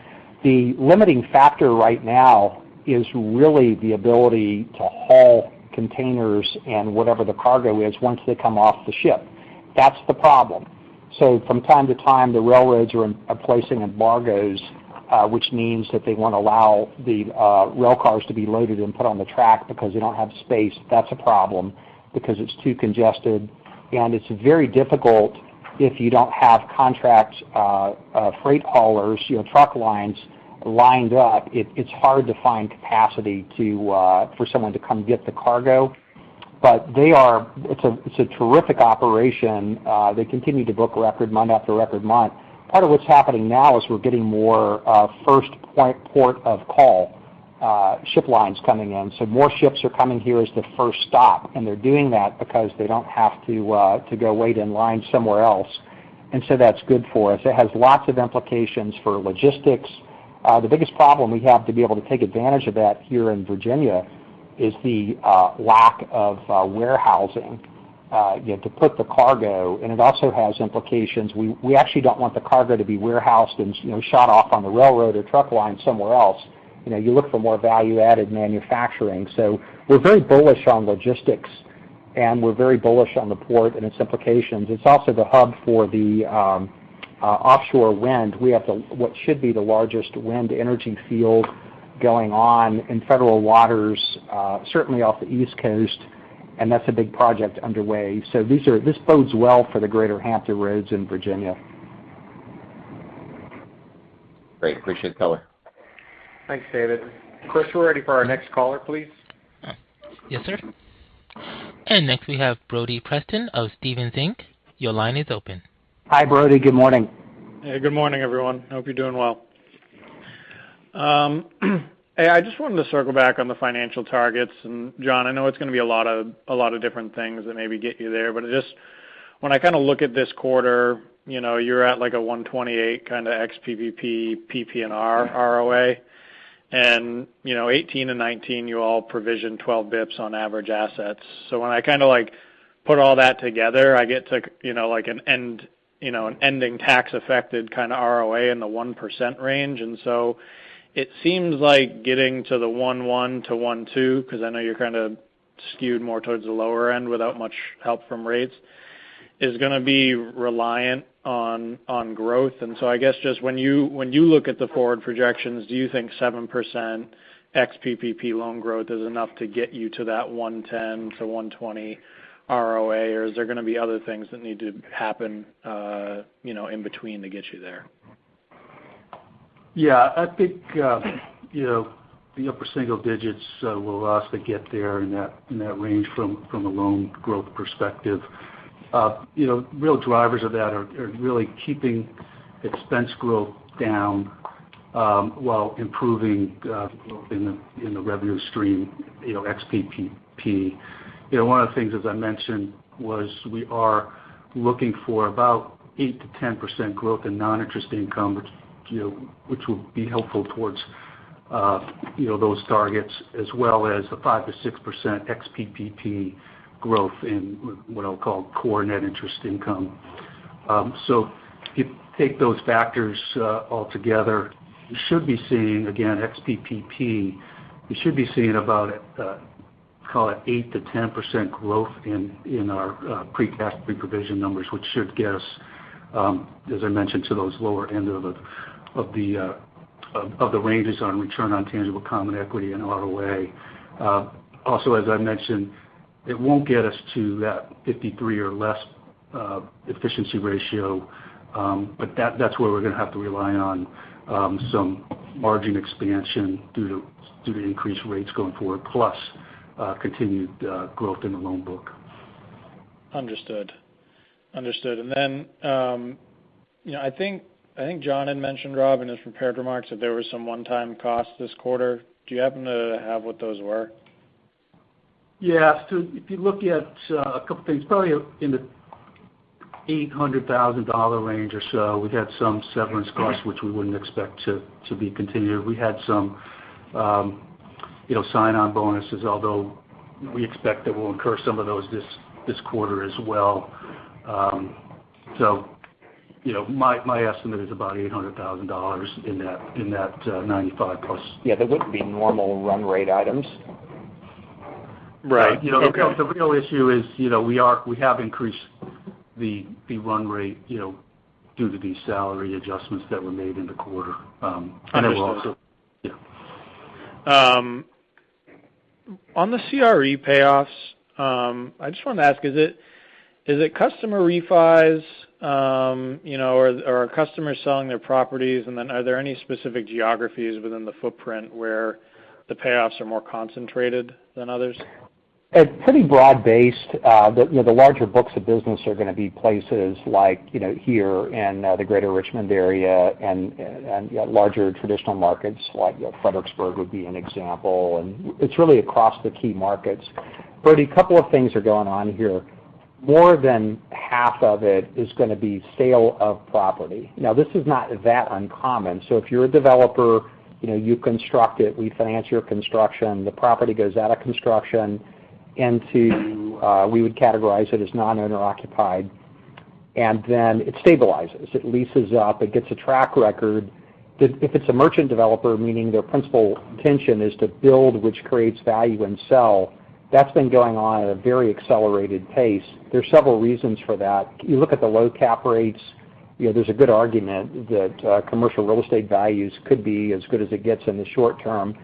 The limiting factor right now is really the ability to haul containers and whatever the cargo is once they come off the ship. That's the problem. From time to time, the railroads are placing embargoes, which means that they won't allow the rail cars to be loaded and put on the track because they don't have space. That's a problem because it's too congested, and it's very difficult if you don't have contracts, freight haulers, truck lines lined up. It's hard to find capacity for someone to come get the cargo. It's a terrific operation. They continue to book record month after record month. Part of what's happening now is we're getting more first port of call ship lines coming in. More ships are coming here as the first stop, and they're doing that because they don't have to go wait in line somewhere else. That's good for us. It has lots of implications for logistics. The biggest problem we have to be able to take advantage of that here in Virginia is the lack of warehousing to put the cargo. It also has implications. We actually don't want the cargo to be warehoused and shot off on the railroad or truck line somewhere else. You look for more value-added manufacturing. We're very bullish on logistics. We're very bullish on the Port of Virginia and its implications. It's also the hub for the offshore wind. We have what should be the largest wind energy field going on in federal waters, certainly off the East Coast, and that's a big project underway. This bodes well for the greater Hampton Roads in Virginia. Great. Appreciate the color. Thanks, David. Chris, we're ready for our next caller, please. Yes, sir. Next we have Brody Preston of Stephens Inc. Your line is open. Hi, Brody. Good morning. Hey, good morning, everyone. Hope you're doing well. Hey, I just wanted to circle back on the financial targets. John, I know it's going to be a lot of different things that maybe get you there, but when I look at this quarter, you're at like a 128 kind of ex PPP, PPNR ROA, and 2018 and 2019, you all provisioned 12 basis points on average assets. When I put all that together, I get to an ending tax affected kind of ROA in the 1% range, it seems like getting to the 1.1%-1.2%, because I know you're kind of skewed more towards the lower end without much help from rates, is going to be reliant on growth. I guess just when you look at the forward projections, do you think 7% ex PPP loan growth is enough to get you to that 110-120 ROA, or is there going to be other things that need to happen in between to get you there? Yeah, I think the upper single digits will allow us to get there in that range from a loan growth perspective. Real drivers of that are really keeping expense growth down while improving growth in the revenue stream, ex PPP. One of the things, as I mentioned, was we are looking for about 8%-10% growth in non-interest income, which will be helpful towards those targets, as well as the 5%-6% ex PPP growth in what I'll call core net interest income. If you take those factors all together, you should be seeing, again, ex PPP, you should be seeing about, call it, 8%-10% growth in our pre-tax, pre-provision numbers, which should get us, as I mentioned, to those lower end of the ranges on return on tangible common equity and ROA. As I mentioned, it won't get us to that 53 or less efficiency ratio. That's where we're going to have to rely on some margin expansion due to increased rates going forward, plus continued growth in the loan book. Understood. I think John had mentioned, Rob, in his prepared remarks that there was some one-time costs this quarter. Do you happen to have what those were? Yeah. If you look at a couple things, probably in the $800,000 range or so, we've had some severance costs, which we wouldn't expect to be continued. We had some sign-on bonuses, although we expect that we'll incur some of those this quarter as well. My estimate is about $800,000 in that 95+. Yeah, they wouldn't be normal run rate items. Right. Okay. The real issue is we have increased the run rate due to these salary adjustments that were made in the quarter. Understood. Yeah. On the CRE payoffs, I just wanted to ask, is it customer refis, or are customers selling their properties? Are there any specific geographies within the footprint where the payoffs are more concentrated than others? It's pretty broad based. The larger books of business are going to be places like here and the greater Richmond area and larger traditional markets like Fredericksburg would be an example. It's really across the key markets. Brody, a couple of things are going on here. More than half of it is going to be sale of property. This is not that uncommon. If you're a developer, you construct it, we finance your construction, the property goes out of construction, we would categorize it as non-owner occupied, and then it stabilizes. It leases up, it gets a track record. If it's a merchant developer, meaning their principal intention is to build, which creates value when sell, that's been going on at a very accelerated pace. There's several reasons for that. You look at the low cap rates. There's a good argument that commercial real estate values could be as good as it gets in the short term.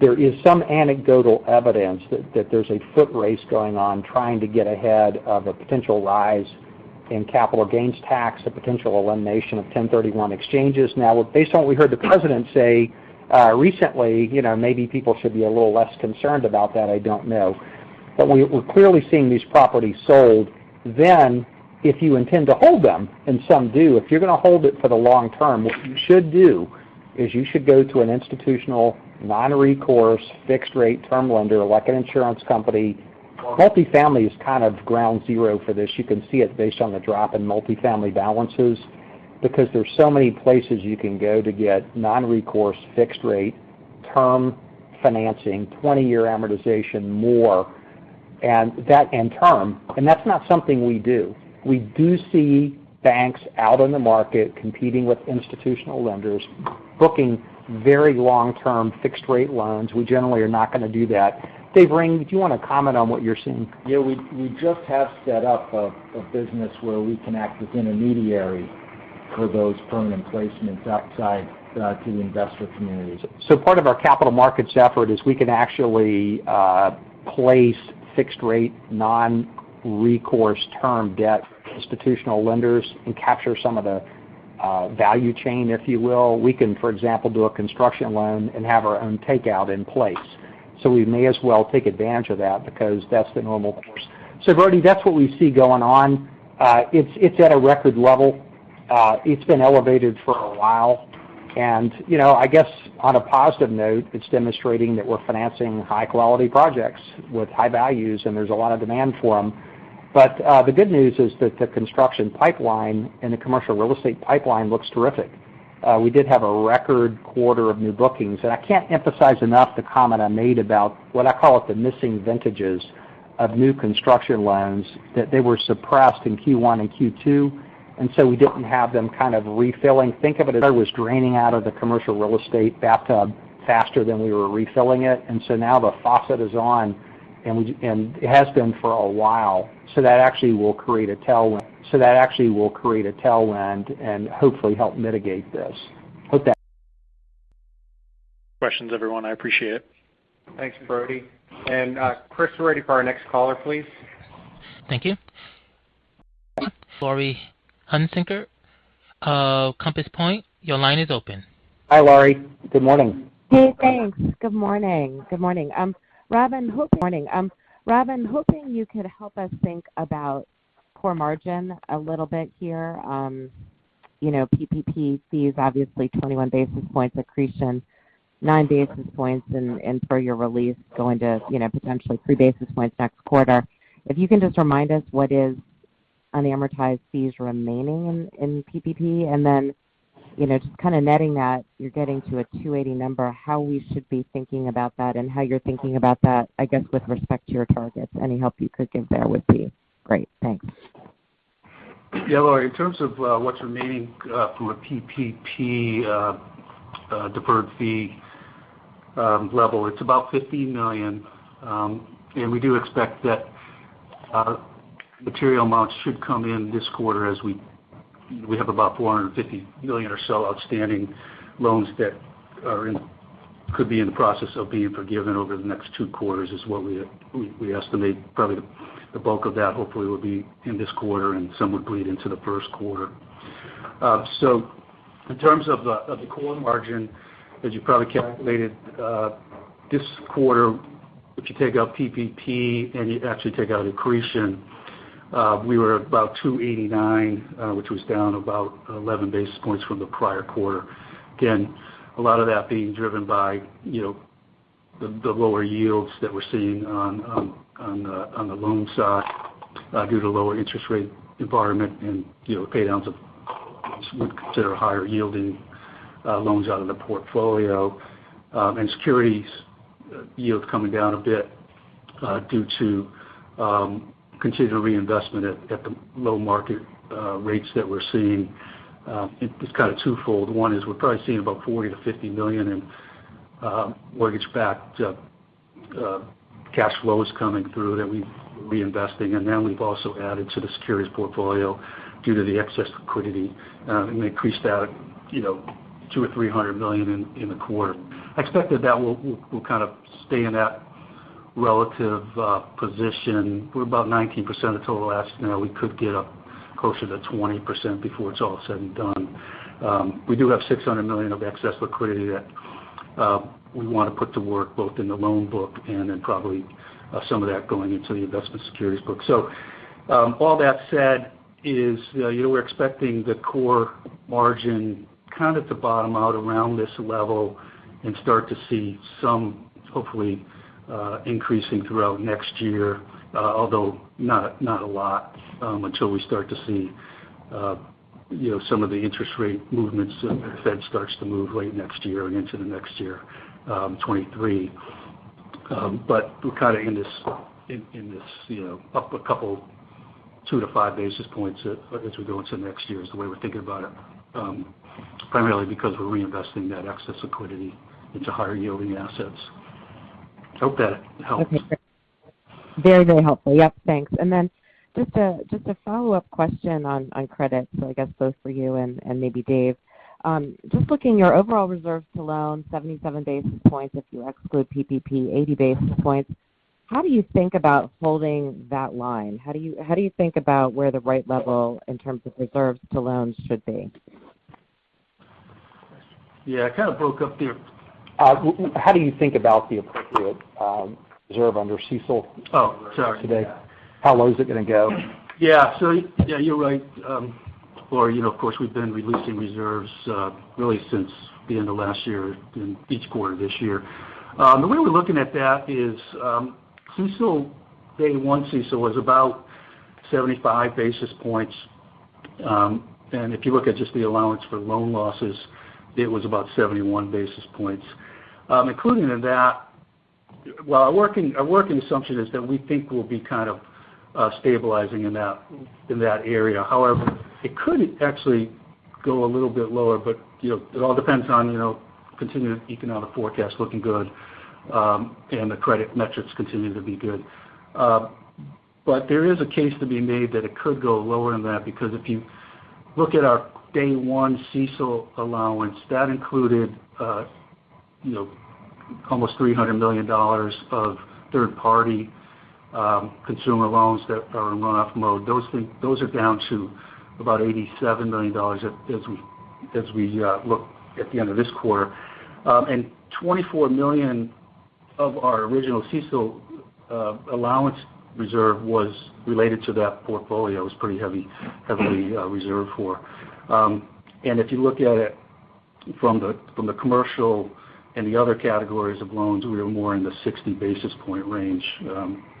There is some anecdotal evidence that there's a foot race going on trying to get ahead of a potential rise in capital gains tax, a potential elimination of 1031 exchanges. Based on what we heard the president say recently, maybe people should be a little less concerned about that, I don't know. We're clearly seeing these properties sold. If you intend to hold them, and some do, if you're going to hold it for the long term, what you should do is you should go to an institutional non-recourse fixed rate term lender, like an insurance company. Multifamily is kind of ground zero for this. You can see it based on the drop in multifamily balances because there's so many places you can go to get non-recourse fixed rate term financing, 20-year amortization more, and that end term, and that's not something we do. We do see banks out in the market competing with institutional lenders, booking very long-term fixed rate loans. We generally are not going to do that. Dave Ring, do you want to comment on what you're seeing? Yeah, we just have set up a business where we can act as intermediary. For those permanent placements outside to the investor communities. Part of our capital markets effort is we can actually place fixed rate non-recourse term debt institutional lenders and capture some of the value chain, if you will. We can, for example, do a construction loan and have our own takeout in place. We may as well take advantage of that because that's the normal course. Brody, that's what we see going on. It's at a record level. It's been elevated for a while. I guess on a positive note, it's demonstrating that we're financing high-quality projects with high values, and there's a lot of demand for them. The good news is that the construction pipeline and the commercial real estate pipeline looks terrific. We did have a record quarter of new bookings. I can't emphasize enough the comment I made about what I call it the missing vintages of new construction loans, that they were suppressed in Q1 and Q2. We didn't have them kind of refilling. Think of it as water was draining out of the commercial real estate bathtub faster than we were refilling it. Now the faucet is on, and it has been for a while. That actually will create a tailwind and hopefully help mitigate this. Questions, everyone. I appreciate it. Thanks, Brody. Chris, we're ready for our next caller, please. Thank you. Laurie Hunsicker of Compass Point, your line is open. Hi, Laurie. Good morning. Hey, thanks. Good morning. Rob, hoping you could help us think about core margin a little bit here. PPP fees, obviously 21 basis points accretion, 9 basis points in prior release, going to potentially 3 basis points next quarter. If you can just remind us what is unamortized fees remaining in PPP? Then, just kind of netting that, you're getting to a 280 number, how we should be thinking about that and how you're thinking about that, I guess, with respect to your targets. Any help you could give there would be great. Thanks. Yeah, Laurie, in terms of what's remaining from a PPP deferred fee level, it's about $50 million. We do expect that material amounts should come in this quarter as we have about $450 million or so outstanding loans that could be in the process of being forgiven over the next two quarters is what we estimate. Probably the bulk of that hopefully will be in this quarter, and some would bleed into the first quarter. In terms of the core margin, as you probably calculated, this quarter, if you take out PPP and you actually take out accretion, we were about 289, which was down about 11 basis points from the prior quarter. Again, a lot of that being driven by the lower yields that we're seeing on the loan side due to lower interest rate environment and paydowns of what we consider higher-yielding loans out of the portfolio. Securities yield coming down a bit due to continual reinvestment at the low market rates that we're seeing. It's kind of twofold. One is we're probably seeing about $40 million-$50 million in mortgage-backed cash flows coming through that we're reinvesting. Then we've also added to the securities portfolio due to the excess liquidity, and increased that $200 million or $300 million in the quarter. I expect that will kind of stay in that relative position. We're about 19% of total assets now. We could get up closer to 20% before it's all said and done. We do have $600 million of excess liquidity that we want to put to work, both in the loan book and in probably some of that going into the investment securities book. All that said is we're expecting the core margin kind of to bottom out around this level and start to see some hopefully increasing throughout next year although not a lot until we start to see some of the interest rate movements if the Fed starts to move late next year and into 2023. We're kind of in this up a couple 2-5 basis points as we go into next year is the way we're thinking about it primarily because we're reinvesting that excess liquidity into higher yielding assets. Hope that helps. Okay. Very helpful. Yep. Thanks. Just a follow-up question on credit. I guess both for you and maybe Dave. Just looking at your overall reserves to loans, 77 basis points, if you exclude PPP, 80 basis points. How do you think about holding that line? How do you think about where the right level in terms of reserves to loans should be? Yeah, it kind of broke up there. How do you think about the appropriate reserve under CECL today? Oh, sorry. Yeah. How low is it going to go? Yeah. Yeah, you're right. Laurie, of course, we've been releasing reserves really since the end of last year and each quarter this year. The way we're looking at that is day one CECL was about 75 basis points. If you look at just the allowance for loan losses, it was about 71 basis points. Well, our working assumption is that we think we'll be kind of stabilizing in that area. It could actually go a little bit lower. It all depends on continued economic forecast looking good, and the credit metrics continue to be good. There is a case to be made that it could go lower than that, because if you look at our day one CECL allowance, that included $300 million of third-party consumer loans that are in run-off mode. Those are down to $87 million as we look at the end of this quarter. $24 million of our original CECL allowance reserve was related to that portfolio. It was pretty heavily reserved for. If you look at it from the commercial and the other categories of loans, we were more in the 60 basis point range,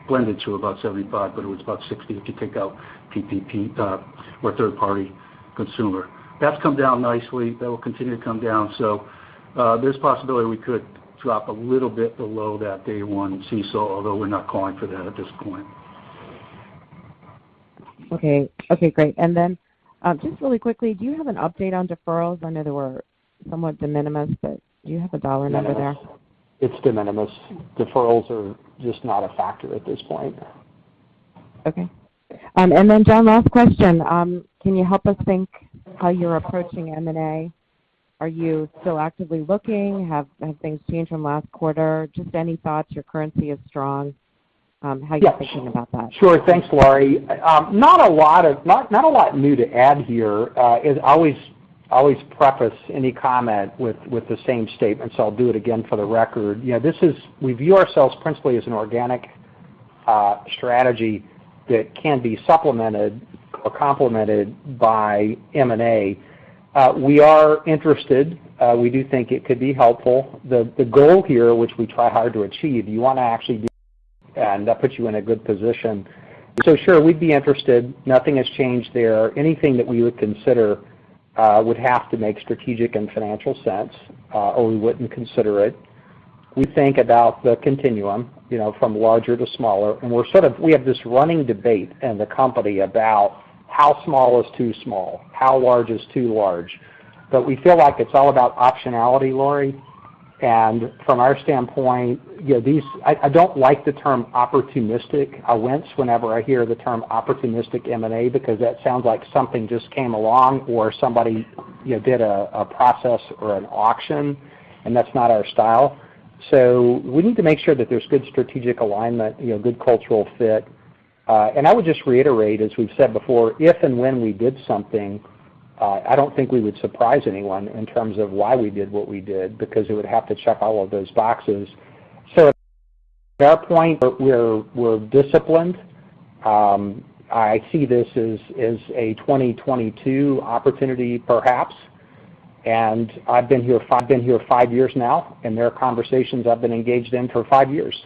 blended to 75, but it was 60 if you take out PPP or third-party consumer. That's come down nicely. That will continue to come down. There's a possibility we could drop a little bit below that day one CECL, although we're not calling for that at this point. Okay, great. Just really quickly, do you have an update on deferrals? I know they were somewhat de minimis, do you have a dollar number there? It's de minimis. Deferrals are just not a factor at this point. Okay. Then John, last question. Can you help us think how you're approaching M&A? Are you still actively looking? Have things changed from last quarter? Just any thoughts. Your currency is strong. How are you thinking about that? Sure. Thanks, Laurie. Not a lot new to add here. I always preface any comment with the same statement. I'll do it again for the record. We view ourselves principally as an organic strategy that can be supplemented or complemented by M&A. We are interested. We do think it could be helpful. The goal here, which we try hard to achieve, you want to actually do and that puts you in a good position. Sure, we'd be interested. Nothing has changed there. Anything that we would consider would have to make strategic and financial sense. We wouldn't consider it. We think about the continuum from larger to smaller. We have this running debate in the company about how small is too small, how large is too large. We feel like it's all about optionality, Laurie. From our standpoint, I don't like the term opportunistic. I wince whenever I hear the term opportunistic M&A because that sounds like something just came along or somebody did a process or an auction, and that's not our style. We need to make sure that there's good strategic alignment, good cultural fit. I would just reiterate, as we've said before, if and when we did something, I don't think we would surprise anyone in terms of why we did what we did because it would have to check all of those boxes. At that point, we're disciplined. I see this as a 2022 opportunity perhaps. I've been here five years now, and there are conversations I've been engaged in for five years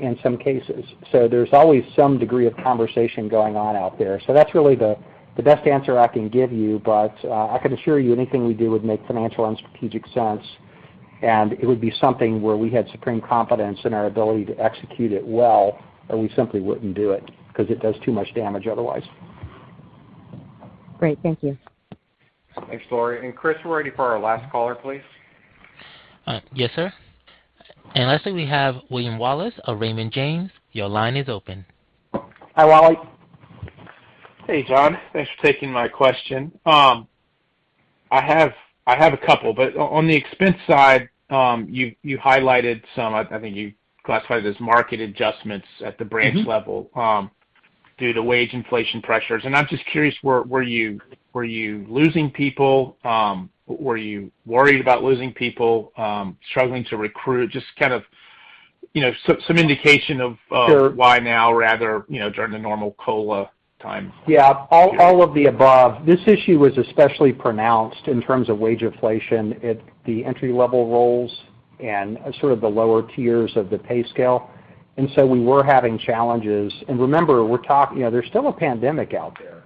in some cases. There's always some degree of conversation going on out there. That's really the best answer I can give you. I can assure you anything we do would make financial and strategic sense, and it would be something where we had supreme confidence in our ability to execute it well, or we simply wouldn't do it because it does too much damage otherwise. Great. Thank you. Thanks, Laurie. Chris, we're ready for our last caller, please. Yes, sir. Lastly, we have Wally Wallace of Raymond James. Your line is open. Hi, Wally. Hey, John. Thanks for taking my question. I have a couple. On the expense side, you highlighted some, I think you classified as market adjustments at the branch level due to wage inflation pressures. I'm just curious, were you losing people? Were you worried about losing people, struggling to recruit? Just kind of some indication of why now rather during the normal COLA time. Yeah, all of the above. This issue was especially pronounced in terms of wage inflation at the entry-level roles and sort of the lower tiers of the pay scale. We were having challenges. Remember, there's still a pandemic out there,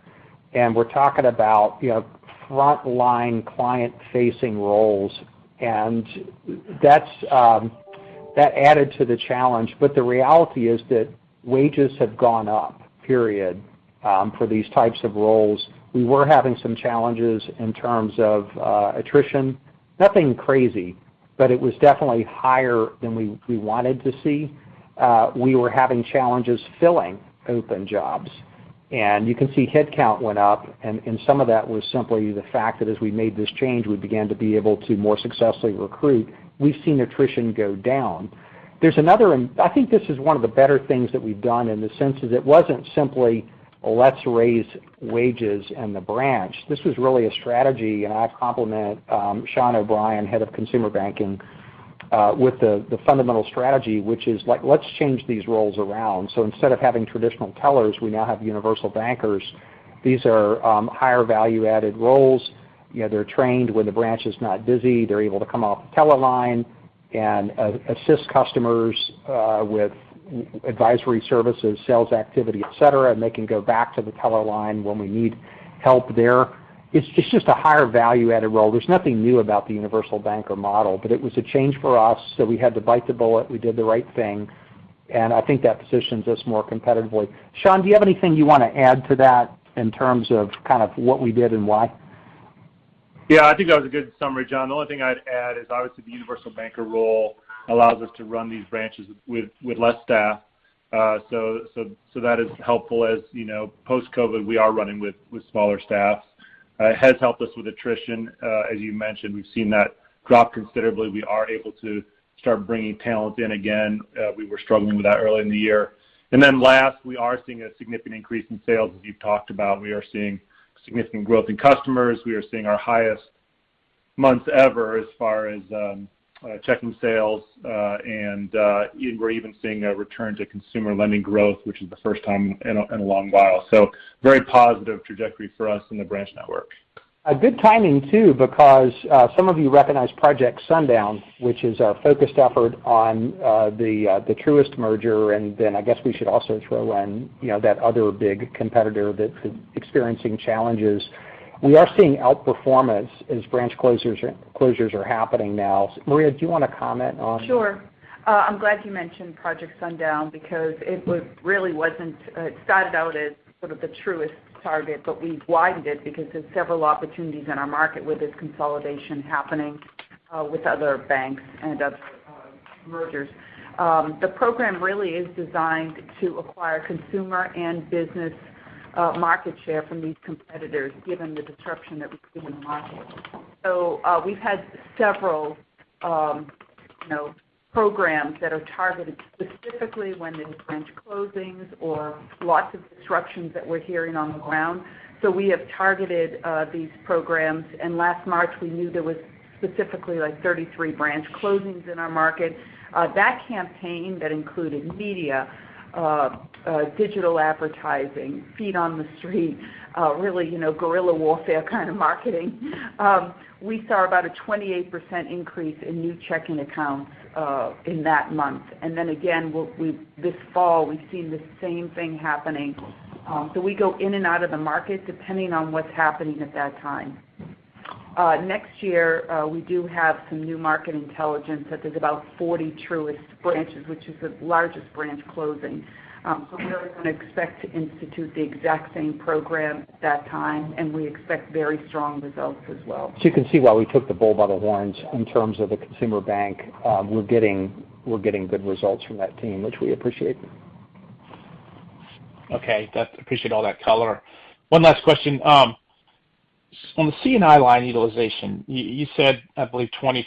and we're talking about frontline client-facing roles. That added to the challenge. The reality is that wages have gone up, period, for these types of roles. We were having some challenges in terms of attrition. Nothing crazy, but it was definitely higher than we wanted to see. We were having challenges filling open jobs. You can see headcount went up, and some of that was simply the fact that as we made this change, we began to be able to more successfully recruit. We've seen attrition go down. I think this is one of the better things that we've done in the sense that it wasn't simply let's raise wages in the branch. This was really a strategy, and I compliment Shawn E. O'Brien, head of Consumer Banking, with the fundamental strategy, which is let's change these roles around. Instead of having traditional tellers, we now have universal bankers. These are higher value-added roles. They're trained when the branch is not busy. They're able to come off the teller line and assist customers with advisory services, sales activity, et cetera, and they can go back to the teller line when we need help there. It's just a higher value-added role. There's nothing new about the universal banker model, but it was a change for us, so we had to bite the bullet. We did the right thing, and I think that positions us more competitively. Shawn, do you have anything you want to add to that in terms of what we did and why? Yeah, I think that was a good summary, John. The only thing I'd add is obviously the universal banker role allows us to run these branches with less staff. That is helpful as post-COVID, we are running with smaller staffs. It has helped us with attrition. As you mentioned, we've seen that drop considerably. We are able to start bringing talent in again. We were struggling with that early in the year. Last, we are seeing a significant increase in sales, as you've talked about. We are seeing significant growth in customers. We are seeing our highest months ever as far as checking sales. We're even seeing a return to consumer lending growth, which is the first time in a long while. Very positive trajectory for us in the branch network. A good timing, too, because some of you recognize Project Sundown, which is our focused effort on the Truist merger. Then I guess we should also throw in that other big competitor that's experiencing challenges. We are seeing outperformance as branch closures are happening now. Maria, do you want to comment on. Sure. I'm glad you mentioned Project Sundown because it started out as sort of the Truist target, but we widened it because there are several opportunities in our market with this consolidation happening with other banks and other mergers. The program really is designed to acquire consumer and business market share from these competitors, given the disruption that we see in the market. We have had several programs that are targeted specifically when there are branch closings or lots of disruptions that we are hearing on the ground. We have targeted these programs. Last March, we knew there was specifically 33 branch closings in our market. That campaign that included media, digital advertising, feet on the street, really guerrilla warfare kind of marketing. We saw about a 28% increase in new checking accounts in that month. Then again, this fall, we have seen the same thing happening. We go in and out of the market depending on what's happening at that time. Next year, we do have some new market intelligence that there's about 40 Truist branches, which is the largest branch closing. We're really going to expect to institute the exact same program that time, and we expect very strong results as well. You can see why we took the bull by the horns in terms of the consumer bank. We're getting good results from that team, which we appreciate. Okay. Appreciate all that color. One last question. On the C&I line utilization, you said, I believe, 25%,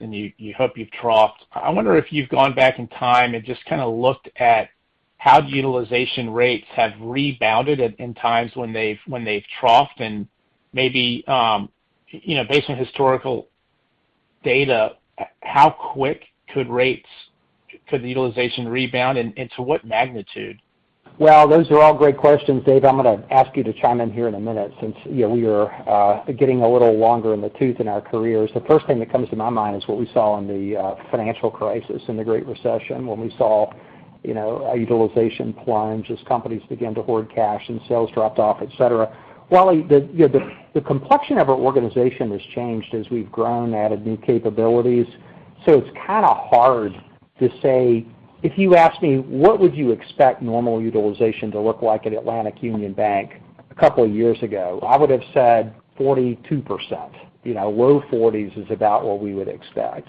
and you hope you've troughed. I wonder if you've gone back in time and just kind of looked at how the utilization rates have rebounded in times when they've troughed and maybe based on historical data, how quick could rates for the utilization rebound and to what magnitude? Well, those are all great questions. Dave, I'm going to ask you to chime in here in a minute since we are getting a little longer in the tooth in our careers. The first thing that comes to my mind is what we saw in the financial crisis, in the Great Recession, when we saw utilization plunge as companies began to hoard cash and sales dropped off, et cetera. Wally, the complexion of our organization has changed as we've grown, added new capabilities. It's kind of hard to say. If you asked me, "What would you expect normal utilization to look like at Atlantic Union Bank?" a couple of years ago, I would have said 42%. Low 40s is about what we would expect.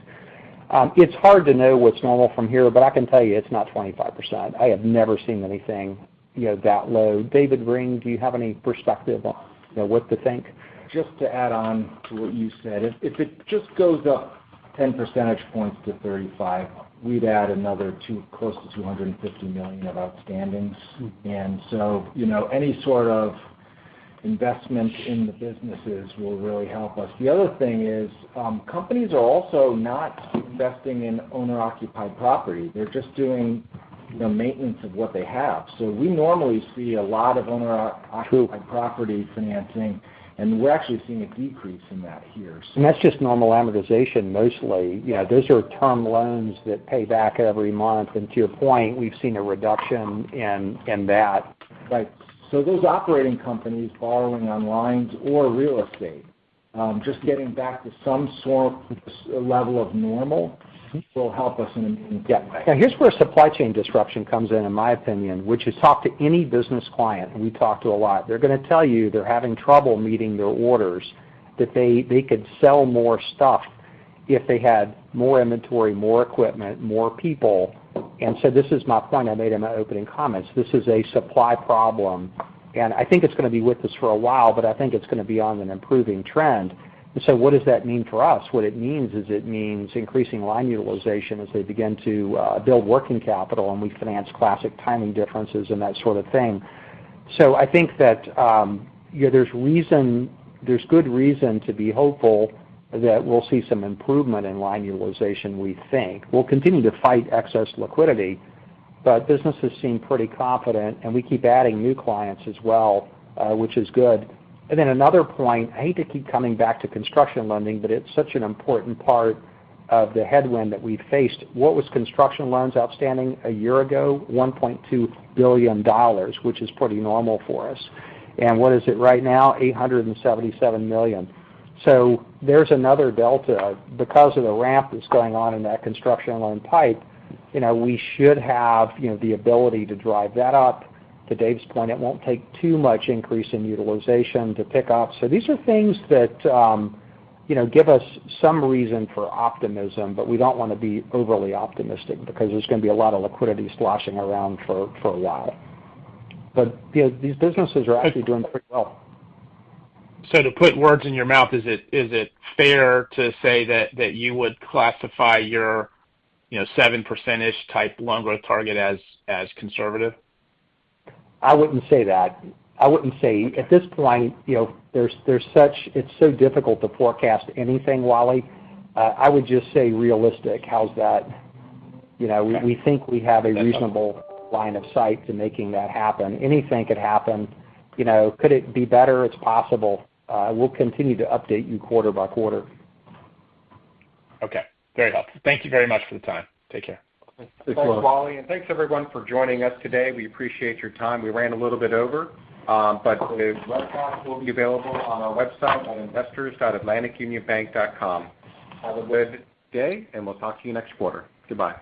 It's hard to know what's normal from here, I can tell you it's not 25%. I have never seen anything that low. David Ring, do you have any perspective on what to think? Just to add on to what you said, if it just goes up 10 percentage points to 35%, we'd add another close to $250 million of outstandings. Any sort of investment in the businesses will really help us. The other thing is companies are also not investing in owner-occupied property. They're just doing maintenance of what they have. We normally see a lot of owner-occupied. True. Property financing, and we're actually seeing a decrease in that here. That's just normal amortization mostly. Those are term loans that pay back every month. To your point, we've seen a reduction in that. Right. Those operating companies borrowing on lines or real estate, just getting back to some sort of level of normal will help us in a big way. Here's where supply chain disruption comes in my opinion, which is talk to any business client. We talk to a lot. They're going to tell you they're having trouble meeting their orders, that they could sell more stuff if they had more inventory, more equipment, more people. This is my point I made in my opening comments. This is a supply problem. I think it's going to be with us for a while, but I think it's going to be on an improving trend. What does that mean for us? What it means is it means increasing line utilization as they begin to build working capital and we finance classic timing differences and that sort of thing. I think that there's good reason to be hopeful that we'll see some improvement in line utilization, we think. We'll continue to fight excess liquidity. Businesses seem pretty confident, we keep adding new clients as well, which is good. Another point, I hate to keep coming back to construction lending, it's such an important part of the headwind that we've faced. What was construction loans outstanding a year ago? $1.2 billion, which is pretty normal for us. What is it right now? $877 million. There's another delta because of the ramp that's going on in that construction loan pipe. We should have the ability to drive that up. To David's point, it won't take too much increase in utilization to pick up. These are things that give us some reason for optimism, we don't want to be overly optimistic because there's going to be a lot of liquidity sloshing around for a while. These businesses are actually doing pretty well. To put words in your mouth, is it fair to say that you would classify your 7% type loan growth target as conservative? I wouldn't say that. At this point, it's so difficult to forecast anything, Wally. I would just say realistic. How's that? We think we have a reasonable line of sight to making that happen. Anything could happen. Could it be better? It's possible. We'll continue to update you quarter by quarter. Okay. Very helpful. Thank you very much for the time. Take care. Thanks. Thanks, Wally. Thanks, everyone, for joining us today. We appreciate your time. We ran a little bit over. The webcast will be available on our website on investors.atlanticunionbank.com. Have a good day, and we'll talk to you next quarter. Goodbye.